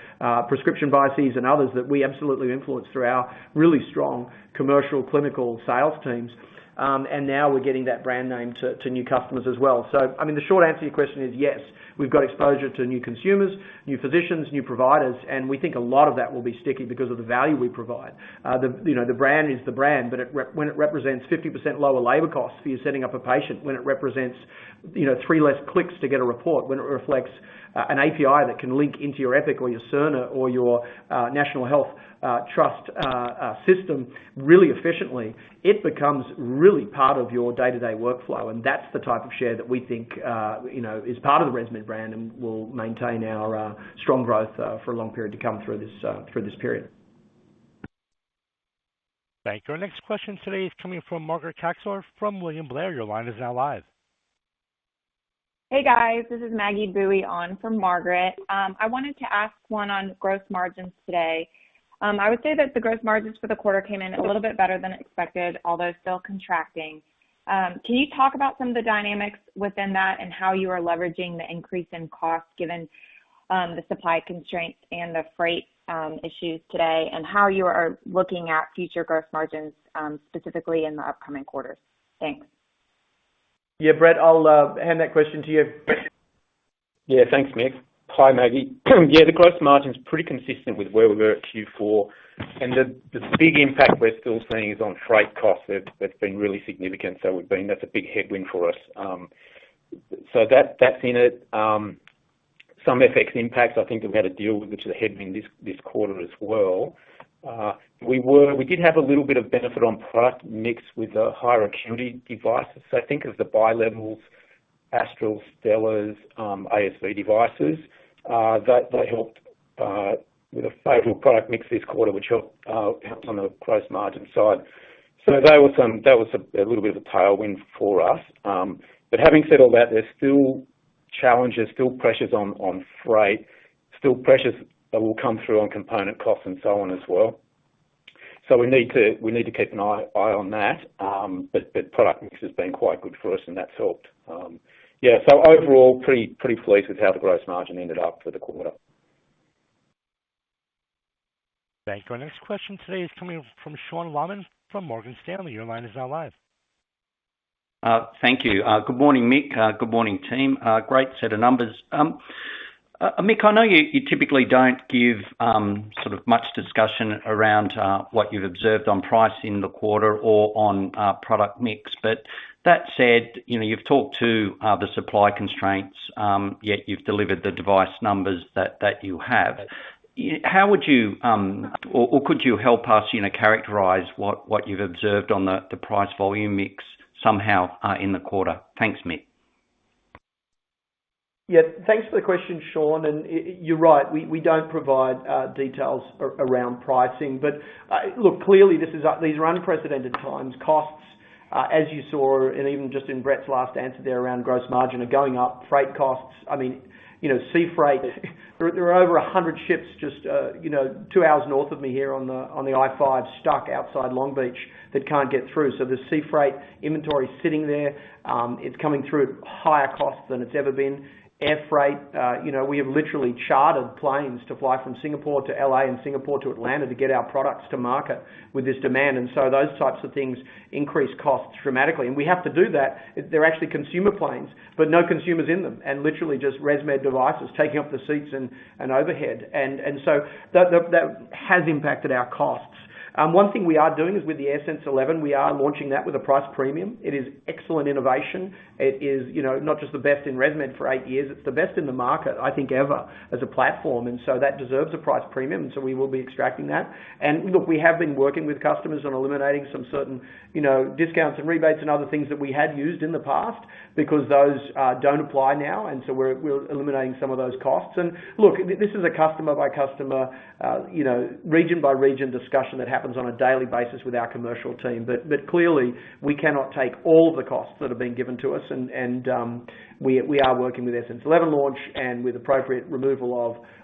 C: prescription biases and others that we absolutely influence through our really strong commercial clinical sales teams. Now we're getting that brand name to new customers as well. I mean, the short answer to your question is, yes, we've got exposure to new consumers, new physicians, new providers, and we think a lot of that will be sticky because of the value we provide. You know, the brand is the brand, but when it represents 50% lower labor costs for you setting up a patient, when it represents, you know, three less clicks to get a report, when it reflects an API that can link into your Epic or your Cerner or your national health trust system really efficiently, it becomes really part of your day-to-day workflow. That's the type of share that we think you know is part of the ResMed brand and will maintain our strong growth for a long period to come through this period.
A: Thank you. Our next question today is coming from Margaret Kaczor of William Blair. Your line is now live.
N: Hey, guys. This is Maggie Boeye on for Margaret. I wanted to ask one on gross margins today. I would say that the gross margins for the quarter came in a little bit better than expected, although still contracting. Can you talk about some of the dynamics within that and how you are leveraging the increase in costs given the supply constraints and the freight issues today, and how you are looking at future gross margins, specifically in the upcoming quarters? Thanks.
C: Yeah, Brett, I'll hand that question to you.
D: Yeah. Thanks, Mick. Hi, Maggie. Yeah, the gross margin is pretty consistent with where we were at Q4. The big impact we're still seeing is on freight costs. That's been really significant. That's a big headwind for us. That's been some FX impacts I think we've had to deal with, which is a headwind this quarter as well. We did have a little bit of benefit on product mix with the higher acuity devices. Think of the bilevels, Astral, Stellar, ASV devices that they helped with a favorable product mix this quarter, which helped on the gross margin side. That was a little bit of a tailwind for us. Having said all that, there's still challenges, still pressures on freight, still pressures that will come through on component costs and so on as well. We need to keep an eye on that. Product mix has been quite good for us, and that's helped. Overall, pretty pleased with how the gross margin ended up for the quarter.
A: Thank you. Our next question today is coming from Sean Laaman from Morgan Stanley. Your line is now live.
O: Thank you. Good morning, Mick. Good morning, team. Great set of numbers. Mick, I know you typically don't give sort of much discussion around what you've observed on price in the quarter or on product mix. That said, you know, you've talked to the supply constraints, yet you've delivered the device numbers that you have. How would you or could you help us, you know, characterize what you've observed on the price volume mix somehow in the quarter? Thanks, Mick.
C: Yeah. Thanks for the question, Sean. You're right, we don't provide details around pricing. Look, clearly these are unprecedented times. Costs, as you saw and even just in Brett's last answer there around gross margin, are going up. Freight costs, I mean, you know, sea freight. There are over 100 ships just, you know, two hours north of me here on the I-5, stuck outside Long Beach that can't get through. So there's sea freight inventory sitting there. It's coming through at higher cost than it's ever been. Air freight, we have literally chartered planes to fly from Singapore to L.A. and Singapore to Atlanta to get our products to market with this demand. Those types of things increase costs dramatically. We have to do that. They're actually consumer planes, but no consumers in them, and literally just ResMed devices taking up the seats and overhead. So that has impacted our costs. One thing we are doing is with the AirSense 11, we are launching that with a price premium. It is excellent innovation. It is, you know, not just the best in ResMed for eight years, it's the best in the market, I think ever, as a platform, and so that deserves a price premium, and so we will be extracting that. Look, we have been working with customers on eliminating some certain, you know, discounts and rebates and other things that we had used in the past because those don't apply now, and so we're eliminating some of those costs. Look, this is a customer-by-customer, you know, region-by-region discussion that happens on a daily basis with our commercial team. But clearly we cannot take all of the costs that have been given to us. We are working with AirSense 11 launch and with appropriate removal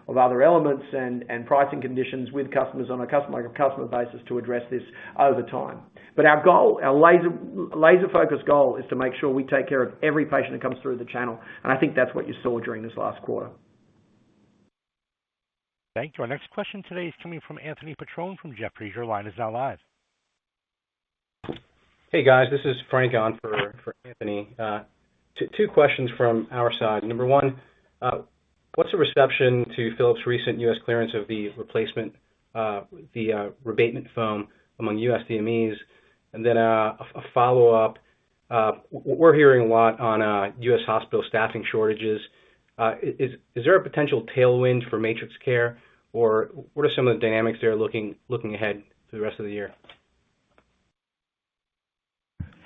C: of other elements and pricing conditions with customers on a customer-to-customer basis to address this over time. But our goal, our laser-focused goal is to make sure we take care of every patient that comes through the channel, and I think that's what you saw during this last quarter.
A: Thank you. Our next question today is coming from Anthony Petrone from Jefferies. Your line is now live.
P: Hey, guys. This is Frank on for Anthony. Two questions from our side. Number one, what's the reception to Philips' recent U.S. clearance of the replacement -the abatement foam among U.S. DMEs? And then a follow-up. We're hearing a lot on U.S. hospital staffing shortages. Is there a potential tailwind for MatrixCare, or what are some of the dynamics there looking ahead for the rest of the year?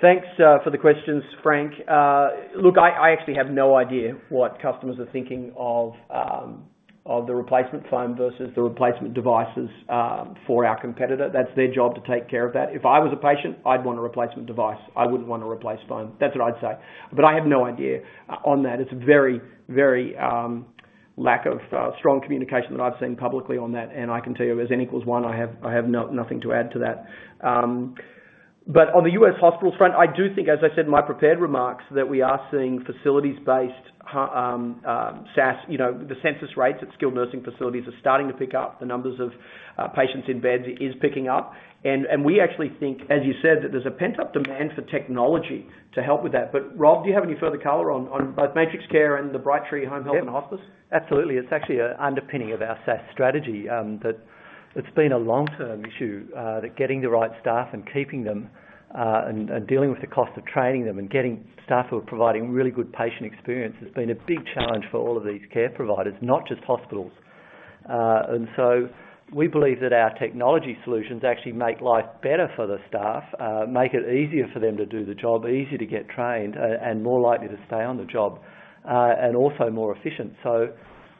C: Thanks for the questions, Frank. Look, I actually have no idea what customers are thinking of the replacement foam versus the replacement devices for our competitor. That's their job to take care of that. If I was a patient, I'd want a replacement device. I wouldn't want a replaced foam. That's what I'd say. I have no idea on that. It's very lack of strong communication that I've seen publicly on that, and I can tell you as N equals one, I have nothing to add to that. On the U.S. hospital front, I do think, as I said in my prepared remarks, that we are seeing facilities based SaaS, you know, the census rates at skilled nursing facilities are starting to pick up. The numbers of patients in beds is picking up. We actually think, as you said, that there's a pent-up demand for technology to help with that. Rob, do you have any further color on both MatrixCare and the Brightree Home Health and Hospice?
L: Yeah. Absolutely. It's actually an underpinning of our SaaS strategy, that it's been a long-term issue, that getting the right staff and keeping them, and dealing with the cost of training them and getting staff who are providing really good patient experience has been a big challenge for all of these care providers, not just hospitals. We believe that our technology solutions actually make life better for the staff, make it easier for them to do the job, easier to get trained, and more likely to stay on the job, and also more efficient. You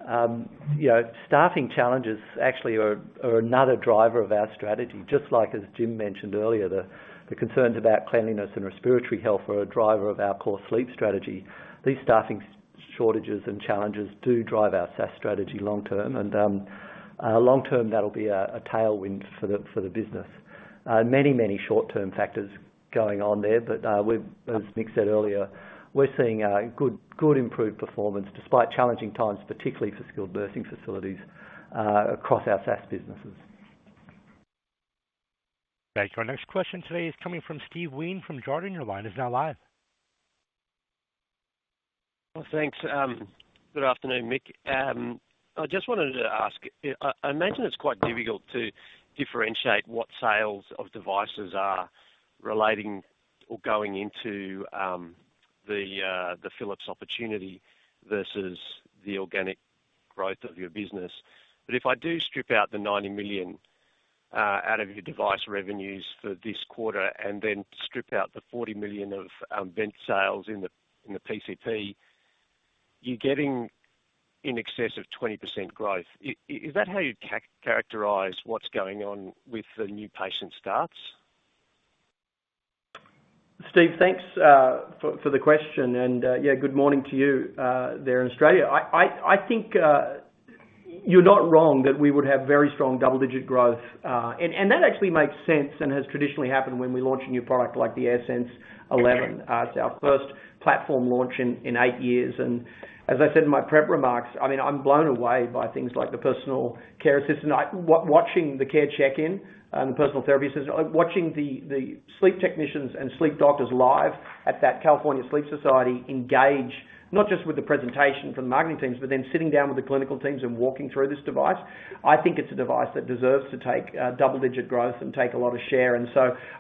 L: know, staffing challenges actually are another driver of our strategy. Just like as Jim mentioned earlier, the concerns about cleanliness and respiratory health are a driver of our core sleep strategy. These staffing shortages and challenges do drive our SaaS strategy long-term. Long-term, that'll be a tailwind for the business. Many short-term factors going on there. As Mick said earlier, we're seeing good improved performance despite challenging times, particularly for skilled nursing facilities across our SaaS businesses.
A: Thank you. Our next question today is coming from Steve Wheen from Jarden. Your line is now live.
Q: Well, thanks, good afternoon, Mick. I just wanted to ask. I imagine it's quite difficult to differentiate what sales of devices are relating or going into the Philips opportunity versus the organic growth of your business. If I do strip out the $90 million out of your device revenues for this quarter and then strip out the $40 million of vent sales in the PCP, you're getting in excess of 20% growth. Is that how you characterize what's going on with the new patient starts?
C: Steve, thanks for the question. Yeah, good morning to you there in Australia. I think you're not wrong that we would have very strong double-digit growth. That actually makes sense and has traditionally happened when we launch a new product like the AirSense 11. It's our first platform launch in eight years. As I said in my prep remarks, I mean, I'm blown away by things like the Personal Therapy Assistant. Watching the Care Check-In and the Personal Therapy Assistant, watching the sleep technicians and sleep doctors live at that California Sleep Society engage, not just with the presentation from the marketing teams, but then sitting down with the clinical teams and walking through this device. I think it's a device that deserves to take double-digit growth and take a lot of share.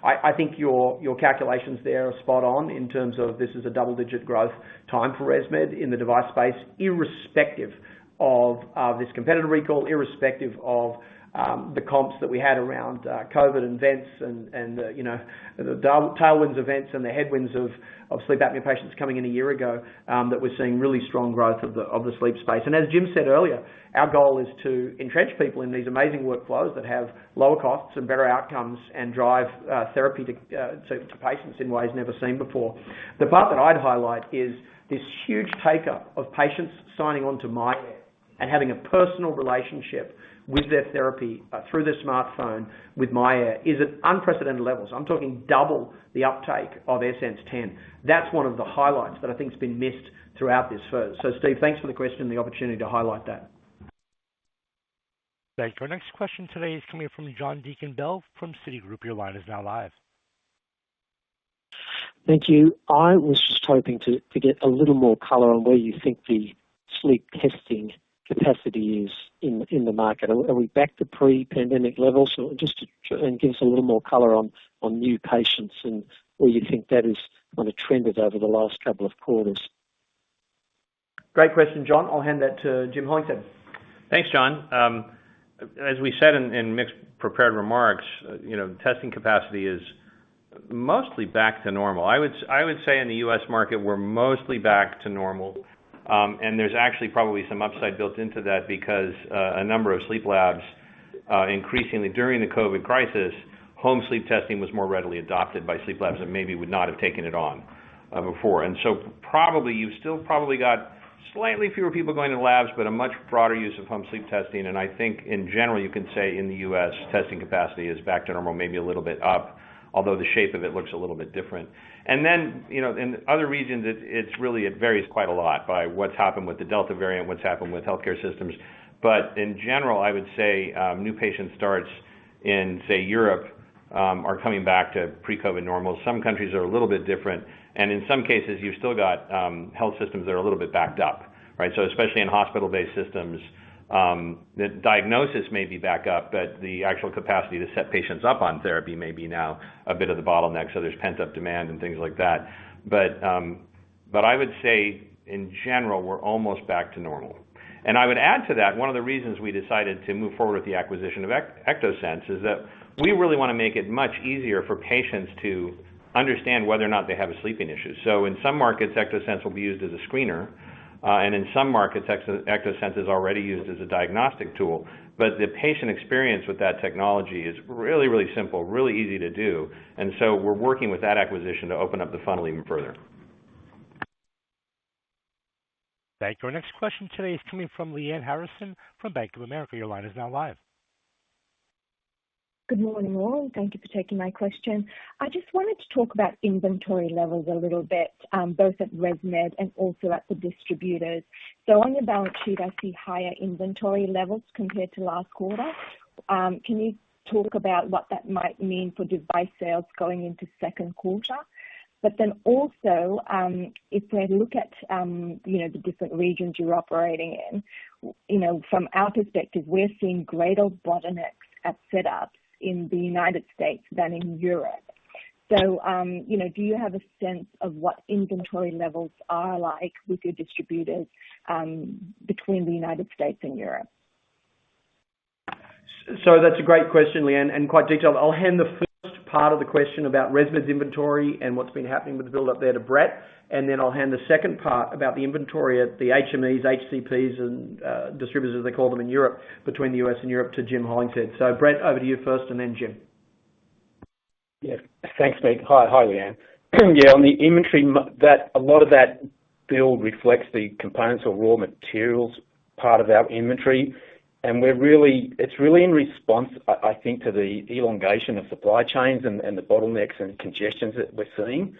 C: I think your calculations there are spot on in terms of this is a double-digit growth time for ResMed in the device space, irrespective of this competitor recall, irrespective of the comps that we had around COVID and vents and the tailwinds and vents and the headwinds of sleep apnea patients coming in a year ago, that we're seeing really strong growth of the sleep space. As Jim said earlier, our goal is to entrench people in these amazing workflows that have lower costs and better outcomes and drive therapy to patients in ways never seen before. The part that I'd highlight is this huge take-up of patients signing on to myAir. Having a personal relationship with their therapy through their smartphone with myAir is at unprecedented levels. I'm talking double the uptake of AirSense 10. That's one of the highlights that I think has been missed throughout this first. Steve, thanks for the question, the opportunity to highlight that.
A: Thank you. Our next question today is coming from John Deakin-Bell from Citigroup. Your line is now live.
R: Thank you. I was just hoping to get a little more color on where you think the sleep testing capacity is in the market. Are we back to pre-pandemic levels? Or, and give us a little more color on new patients and where you think that is kind of trended over the last couple of quarters.
C: Great question, John. I'll hand that to Jim Hollingshead.
I: Thanks, John. As we said in Mick's prepared remarks, you know, testing capacity is mostly back to normal. I would say in the U.S. market, we're mostly back to normal. There's actually probably some upside built into that because a number of sleep labs increasingly during the COVID crisis, home sleep testing was more readily adopted by sleep labs that maybe would not have taken it on before. Probably, you've still probably got slightly fewer people going to labs, but a much broader use of home sleep testing. I think in general, you can say in the U.S., testing capacity is back to normal, maybe a little bit up, although the shape of it looks a little bit different. You know, in other regions, it really varies quite a lot by what's happened with the Delta variant, what's happened with healthcare systems. In general, I would say new patient starts in, say, Europe, are coming back to pre-COVID normal. Some countries are a little bit different, and in some cases, you've still got health systems that are a little bit backed up, right? Especially in hospital-based systems, the diagnosis may be back up, but the actual capacity to set patients up on therapy may be now a bit of the bottleneck. There's pent-up demand and things like that. I would say in general, we're almost back to normal. I would add to that, one of the reasons we decided to move forward with the acquisition of Ectosense is that we really wanna make it much easier for patients to understand whether or not they have a sleeping issue. In some markets, Ectosense will be used as a screener, and in some markets, Ectosense is already used as a diagnostic tool. The patient experience with that technology is really, really simple, really easy to do. We're working with that acquisition to open up the funnel even further.
A: Thank you. Our next question today is coming from Lyanne Harrison from Bank of America. Your line is now live.
S: Good morning, all. Thank you for taking my question. I just wanted to talk about inventory levels a little bit, both at ResMed and also at the distributors. On your balance sheet, I see higher inventory levels compared to last quarter. Can you talk about what that might mean for device sales going into second quarter? Also, if we look at, you know, the different regions you're operating in, you know, from our perspective, we're seeing greater bottlenecks at set-ups in the United States than in Europe. You know, do you have a sense of what inventory levels are like with your distributors, between the United States and Europe?
C: That's a great question, Lyanne, and quite detailed. I'll hand the first part of the question about ResMed's inventory and what's been happening with the build up there to Brett, and then I'll hand the second part about the inventory at the HMEs, HCPs, and distributors, as they call them in Europe, between the U.S. and Europe to Jim Hollingshead. Brett, over to you first, and then Jim.
D: Yeah. Thanks, Mick. Hi, Lyanne. Yeah, on the inventory. A lot of that build reflects the components of raw materials part of our inventory. We're really. It's really in response, I think, to the elongation of supply chains and the bottlenecks and congestions that we're seeing.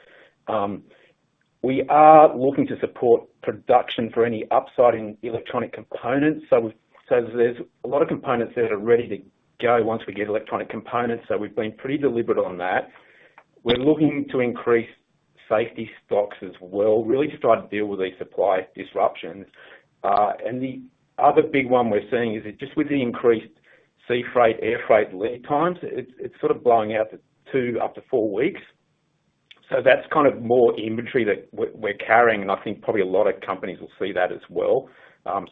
D: We are looking to support production for any upside in electronic components. So there's a lot of components there that are ready to go once we get electronic components. So we've been pretty deliberate on that. We're looking to increase safety stocks as well, really just trying to deal with these supply disruptions. The other big one we're seeing is just with the increased sea freight, air freight lead times. It's sort of blowing out to two, up to four weeks. That's kind of more inventory that we're carrying, and I think probably a lot of companies will see that as well.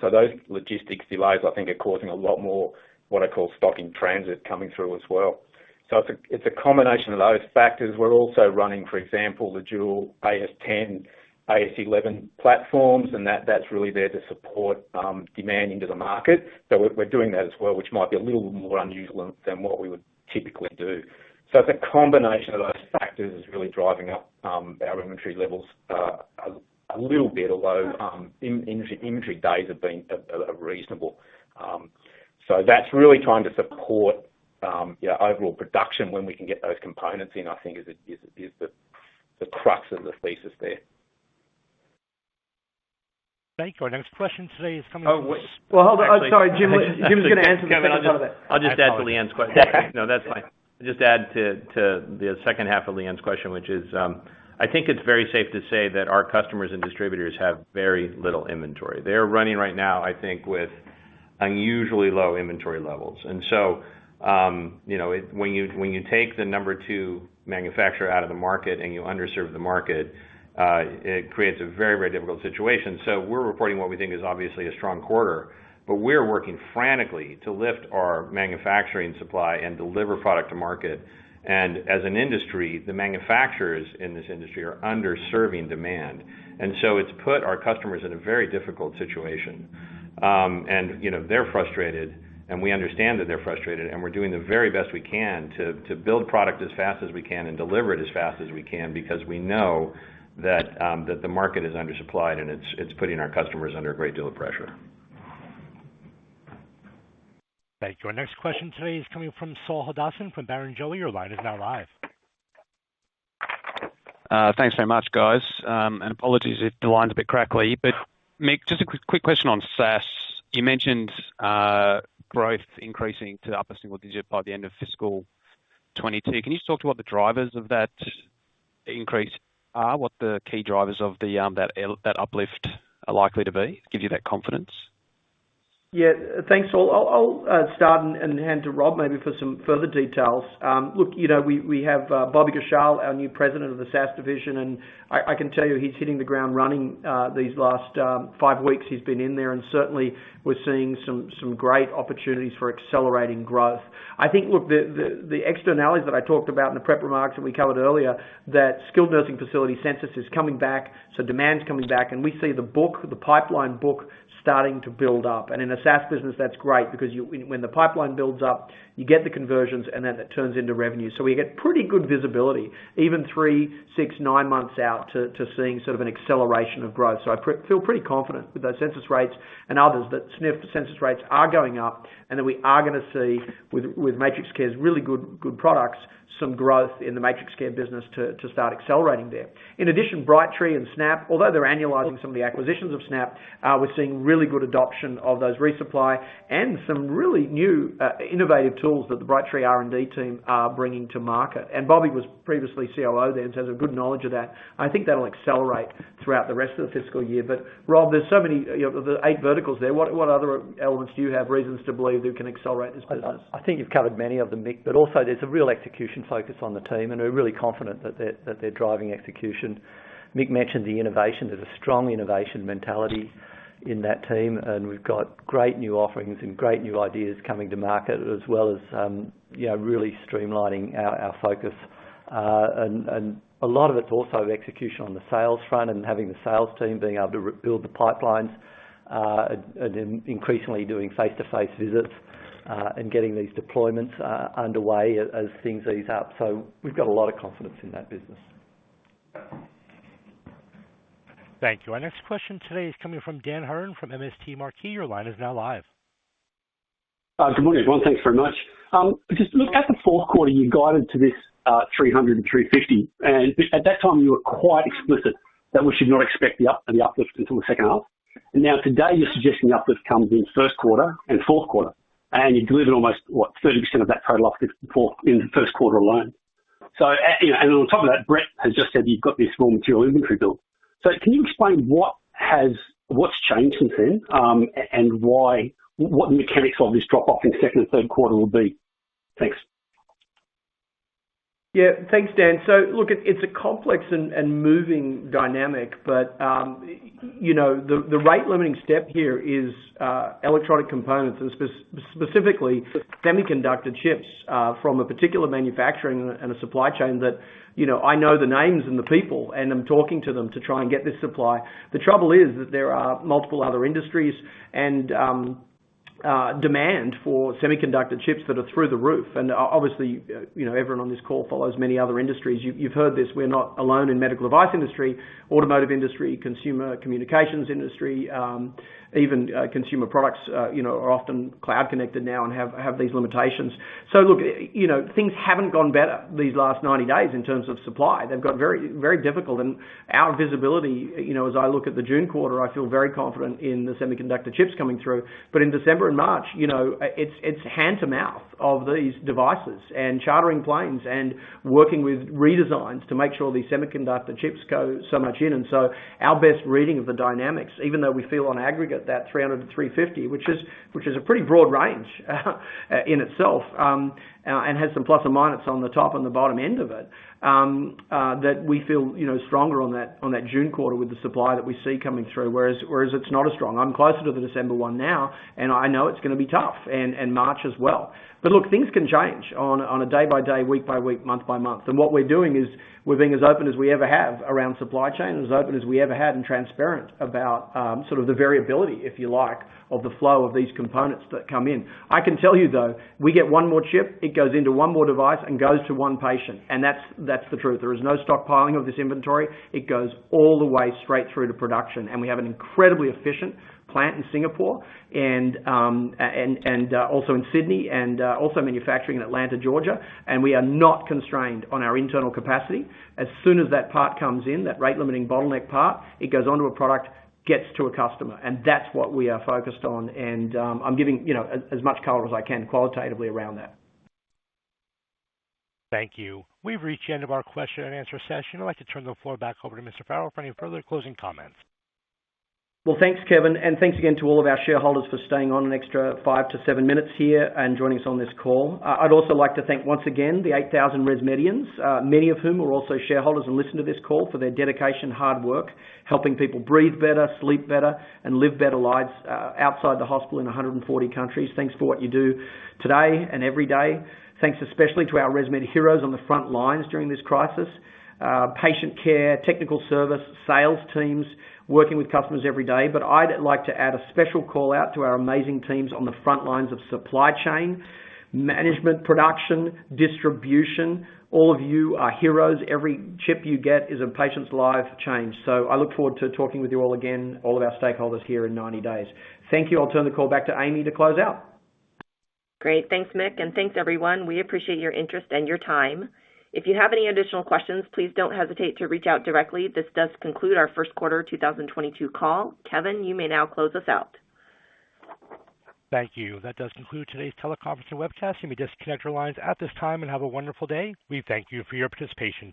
D: Those logistics delays, I think, are causing a lot more what I call stock in transit coming through as well. It's a combination of those factors. We're also running, for example, the dual AS10, AS11 platforms, and that's really there to support demand into the market. We're doing that as well, which might be a little more unusual than what we would typically do. It's a combination of those factors is really driving up our inventory levels a little bit, although inventory days have been reasonable. That's really trying to support, yeah, overall production when we can get those components in. I think is the crux of the thesis there.
A: Thank you. Our next question today is coming from
C: Oh, wait. Well, hold on. I'm sorry. Jim was gonna add something to that as well.
I: I'll just add to Lyanne's question. No, that's fine. Just add to the second half of Lyanne's question, which is, I think it's very safe to say that our customers and distributors have very little inventory. They're running right now, I think, with unusually low inventory levels. You know, when you take the number two manufacturer out of the market and you underserve the market, it creates a very, very difficult situation. We're reporting what we think is obviously a strong quarter, but we're working frantically to lift our manufacturing supply and deliver product to market. As an industry, the manufacturers in this industry are underserving demand. It's put our customers in a very difficult situation. You know, they're frustrated, and we understand that they're frustrated, and we're doing the very best we can to build product as fast as we can and deliver it as fast as we can because we know that the market is undersupplied and it's putting our customers under a great deal of pressure.
A: Thank you. Our next question today is coming from Saul Hadassin from Barrenjoey. Your line is now live.
T: Thanks very much, guys. Apologies if the line's a bit crackly. Mick, just a quick question on SaaS. You mentioned growth increasing to upper single-digit by the end of fiscal 2022. Can you just talk to what the drivers of that increase are? What the key drivers of that uplift are likely to be that give you that confidence?
C: Yeah, thanks, Saul. I'll start and hand to Rob maybe for some further details. Look, you know, we have Bobby Ghoshal, our new President of the SaaS division, and I can tell you he's hitting the ground running. These last five weeks he's been in there, and certainly we're seeing some great opportunities for accelerating growth. I think, look, the externalities that I talked about in the prep remarks that we covered earlier, that skilled nursing facility census is coming back, so demand's coming back and we see the pipeline book starting to build up. In a SaaS business, that's great because when the pipeline builds up, you get the conversions and then it turns into revenue. We get pretty good visibility, even three, six, nine months out to seeing sort of an acceleration of growth. I feel pretty confident with those census rates and others that SNF census rates are going up and that we are gonna see with MatrixCare's really good products, some growth in the MatrixCare business to start accelerating there. In addition, Brightree and Snap, although they're annualizing some of the acquisitions of Snap, we're seeing really good adoption of those resupply and some really new innovative tools that the Brightree R&D team are bringing to market. Bobby was previously COO then, so has a good knowledge of that, and I think that'll accelerate throughout the rest of the fiscal year. Rob, there's so many, you know, the eight verticals there. What other elements do you have reasons to believe that can accelerate this business?
L: I think you've covered many of them, Mick, but also there's a real execution focus on the team, and we're really confident that they're driving execution. Mick mentioned the innovation. There's a strong innovation mentality in that team, and we've got great new offerings and great new ideas coming to market as well as you know, really streamlining our focus. A lot of it's also execution on the sales front and having the sales team being able to re-build the pipelines, and then increasingly doing face-to-face visits, and getting these deployments underway as things ease up. We've got a lot of confidence in that business.
A: Thank you. Our next question today is coming from Dan Hurren from MST Marquee. Your line is now live.
U: Good morning, everyone. Thanks very much. Just look at the fourth quarter, you guided to this $300 million-$350 million, and at that time you were quite explicit that we should not expect any uplift until the second half. Now today you're suggesting the uplift comes in first quarter and fourth quarter, and you delivered almost 30% of that total uplift in the first quarter alone. On top of that, Brett has just said you've got this raw material inventory build. Can you explain what's changed since then, and why, what the mechanics of this drop-off in second and third quarter will be? Thanks.
C: Yeah. Thanks, Dan. Look, it's a complex and moving dynamic, but you know, the rate limiting step here is electronic components and specifically semiconductor chips from a particular manufacturing and a supply chain that you know, I know the names and the people, and I'm talking to them to try and get this supply. The trouble is that there are multiple other industries and demand for semiconductor chips that are through the roof. Obviously, you know, everyone on this call follows many other industries. You've heard this, we're not alone in medical device industry, automotive industry, consumer communications industry, even consumer products you know are often cloud connected now and have these limitations. Look, you know, things haven't gone better these last 90 days in terms of supply. They've got very, very difficult. Our visibility, you know, as I look at the June quarter, I feel very confident in the semiconductor chips coming through. But in December and March, you know, it's hand-to-mouth of these devices and chartering planes and working with redesigns to make sure these semiconductor chips go so much in. Our best reading of the dynamics, even though we feel on aggregate that $300 million-$350 million, which is a pretty broad range in itself, and has some plus and minuses on the top and the bottom end of it, that we feel, you know, stronger on that June quarter with the supply that we see coming through, whereas it's not as strong. I'm closer to the December 1 now, and I know it's gonna be tough, and March as well. Look, things can change on a day-by-day, week-by-week, month-by-month. What we're doing is we're being as open as we ever have around supply chain and as open as we ever have and transparent about sort of the variability, if you like, of the flow of these components that come in. I can tell you, though, we get one more chip, it goes into one more device and goes to one patient. That's the truth. There is no stockpiling of this inventory. It goes all the way straight through to production. We have an incredibly efficient plant in Singapore and also in Sydney and also manufacturing in Atlanta, Georgia. We are not constrained on our internal capacity. As soon as that part comes in, that rate limiting bottleneck part, it goes onto a product, gets to a customer. That's what we are focused on. I'm giving, you know, as much color as I can qualitatively around that.
A: Thank you. We've reached the end of our question-and-answer session. I'd like to turn the floor back over to Mr. Farrell for any further closing comments.
C: Well, thanks, Kevin. Thanks again to all of our shareholders for staying on an extra five to seven minutes here and joining us on this call. I'd also like to thank once again the 8,000 ResMedians, many of whom are also shareholders and listen to this call for their dedication, hard work, helping people breathe better, sleep better, and live better lives, outside the hospital in 140 countries. Thanks for what you do today and every day. Thanks especially to our ResMed heroes on the front lines during this crisis. Patient care, technical service, sales teams working with customers every day. I'd like to add a special call-out to our amazing teams on the front lines of supply chain, management, production, distribution. All of you are heroes. Every chip you get is a patient's life changed. I look forward to talking with you all again, all of our stakeholders here in 90 days. Thank you. I'll turn the call back to Amy to close out.
B: Great. Thanks, Mick, and thanks, everyone. We appreciate your interest and your time. If you have any additional questions, please don't hesitate to reach out directly. This does conclude our first quarter 2022 call. Kevin, you may now close us out.
A: Thank you. That does conclude today's teleconference and webcast. You may disconnect your lines at this time and have a wonderful day. We thank you for your participation.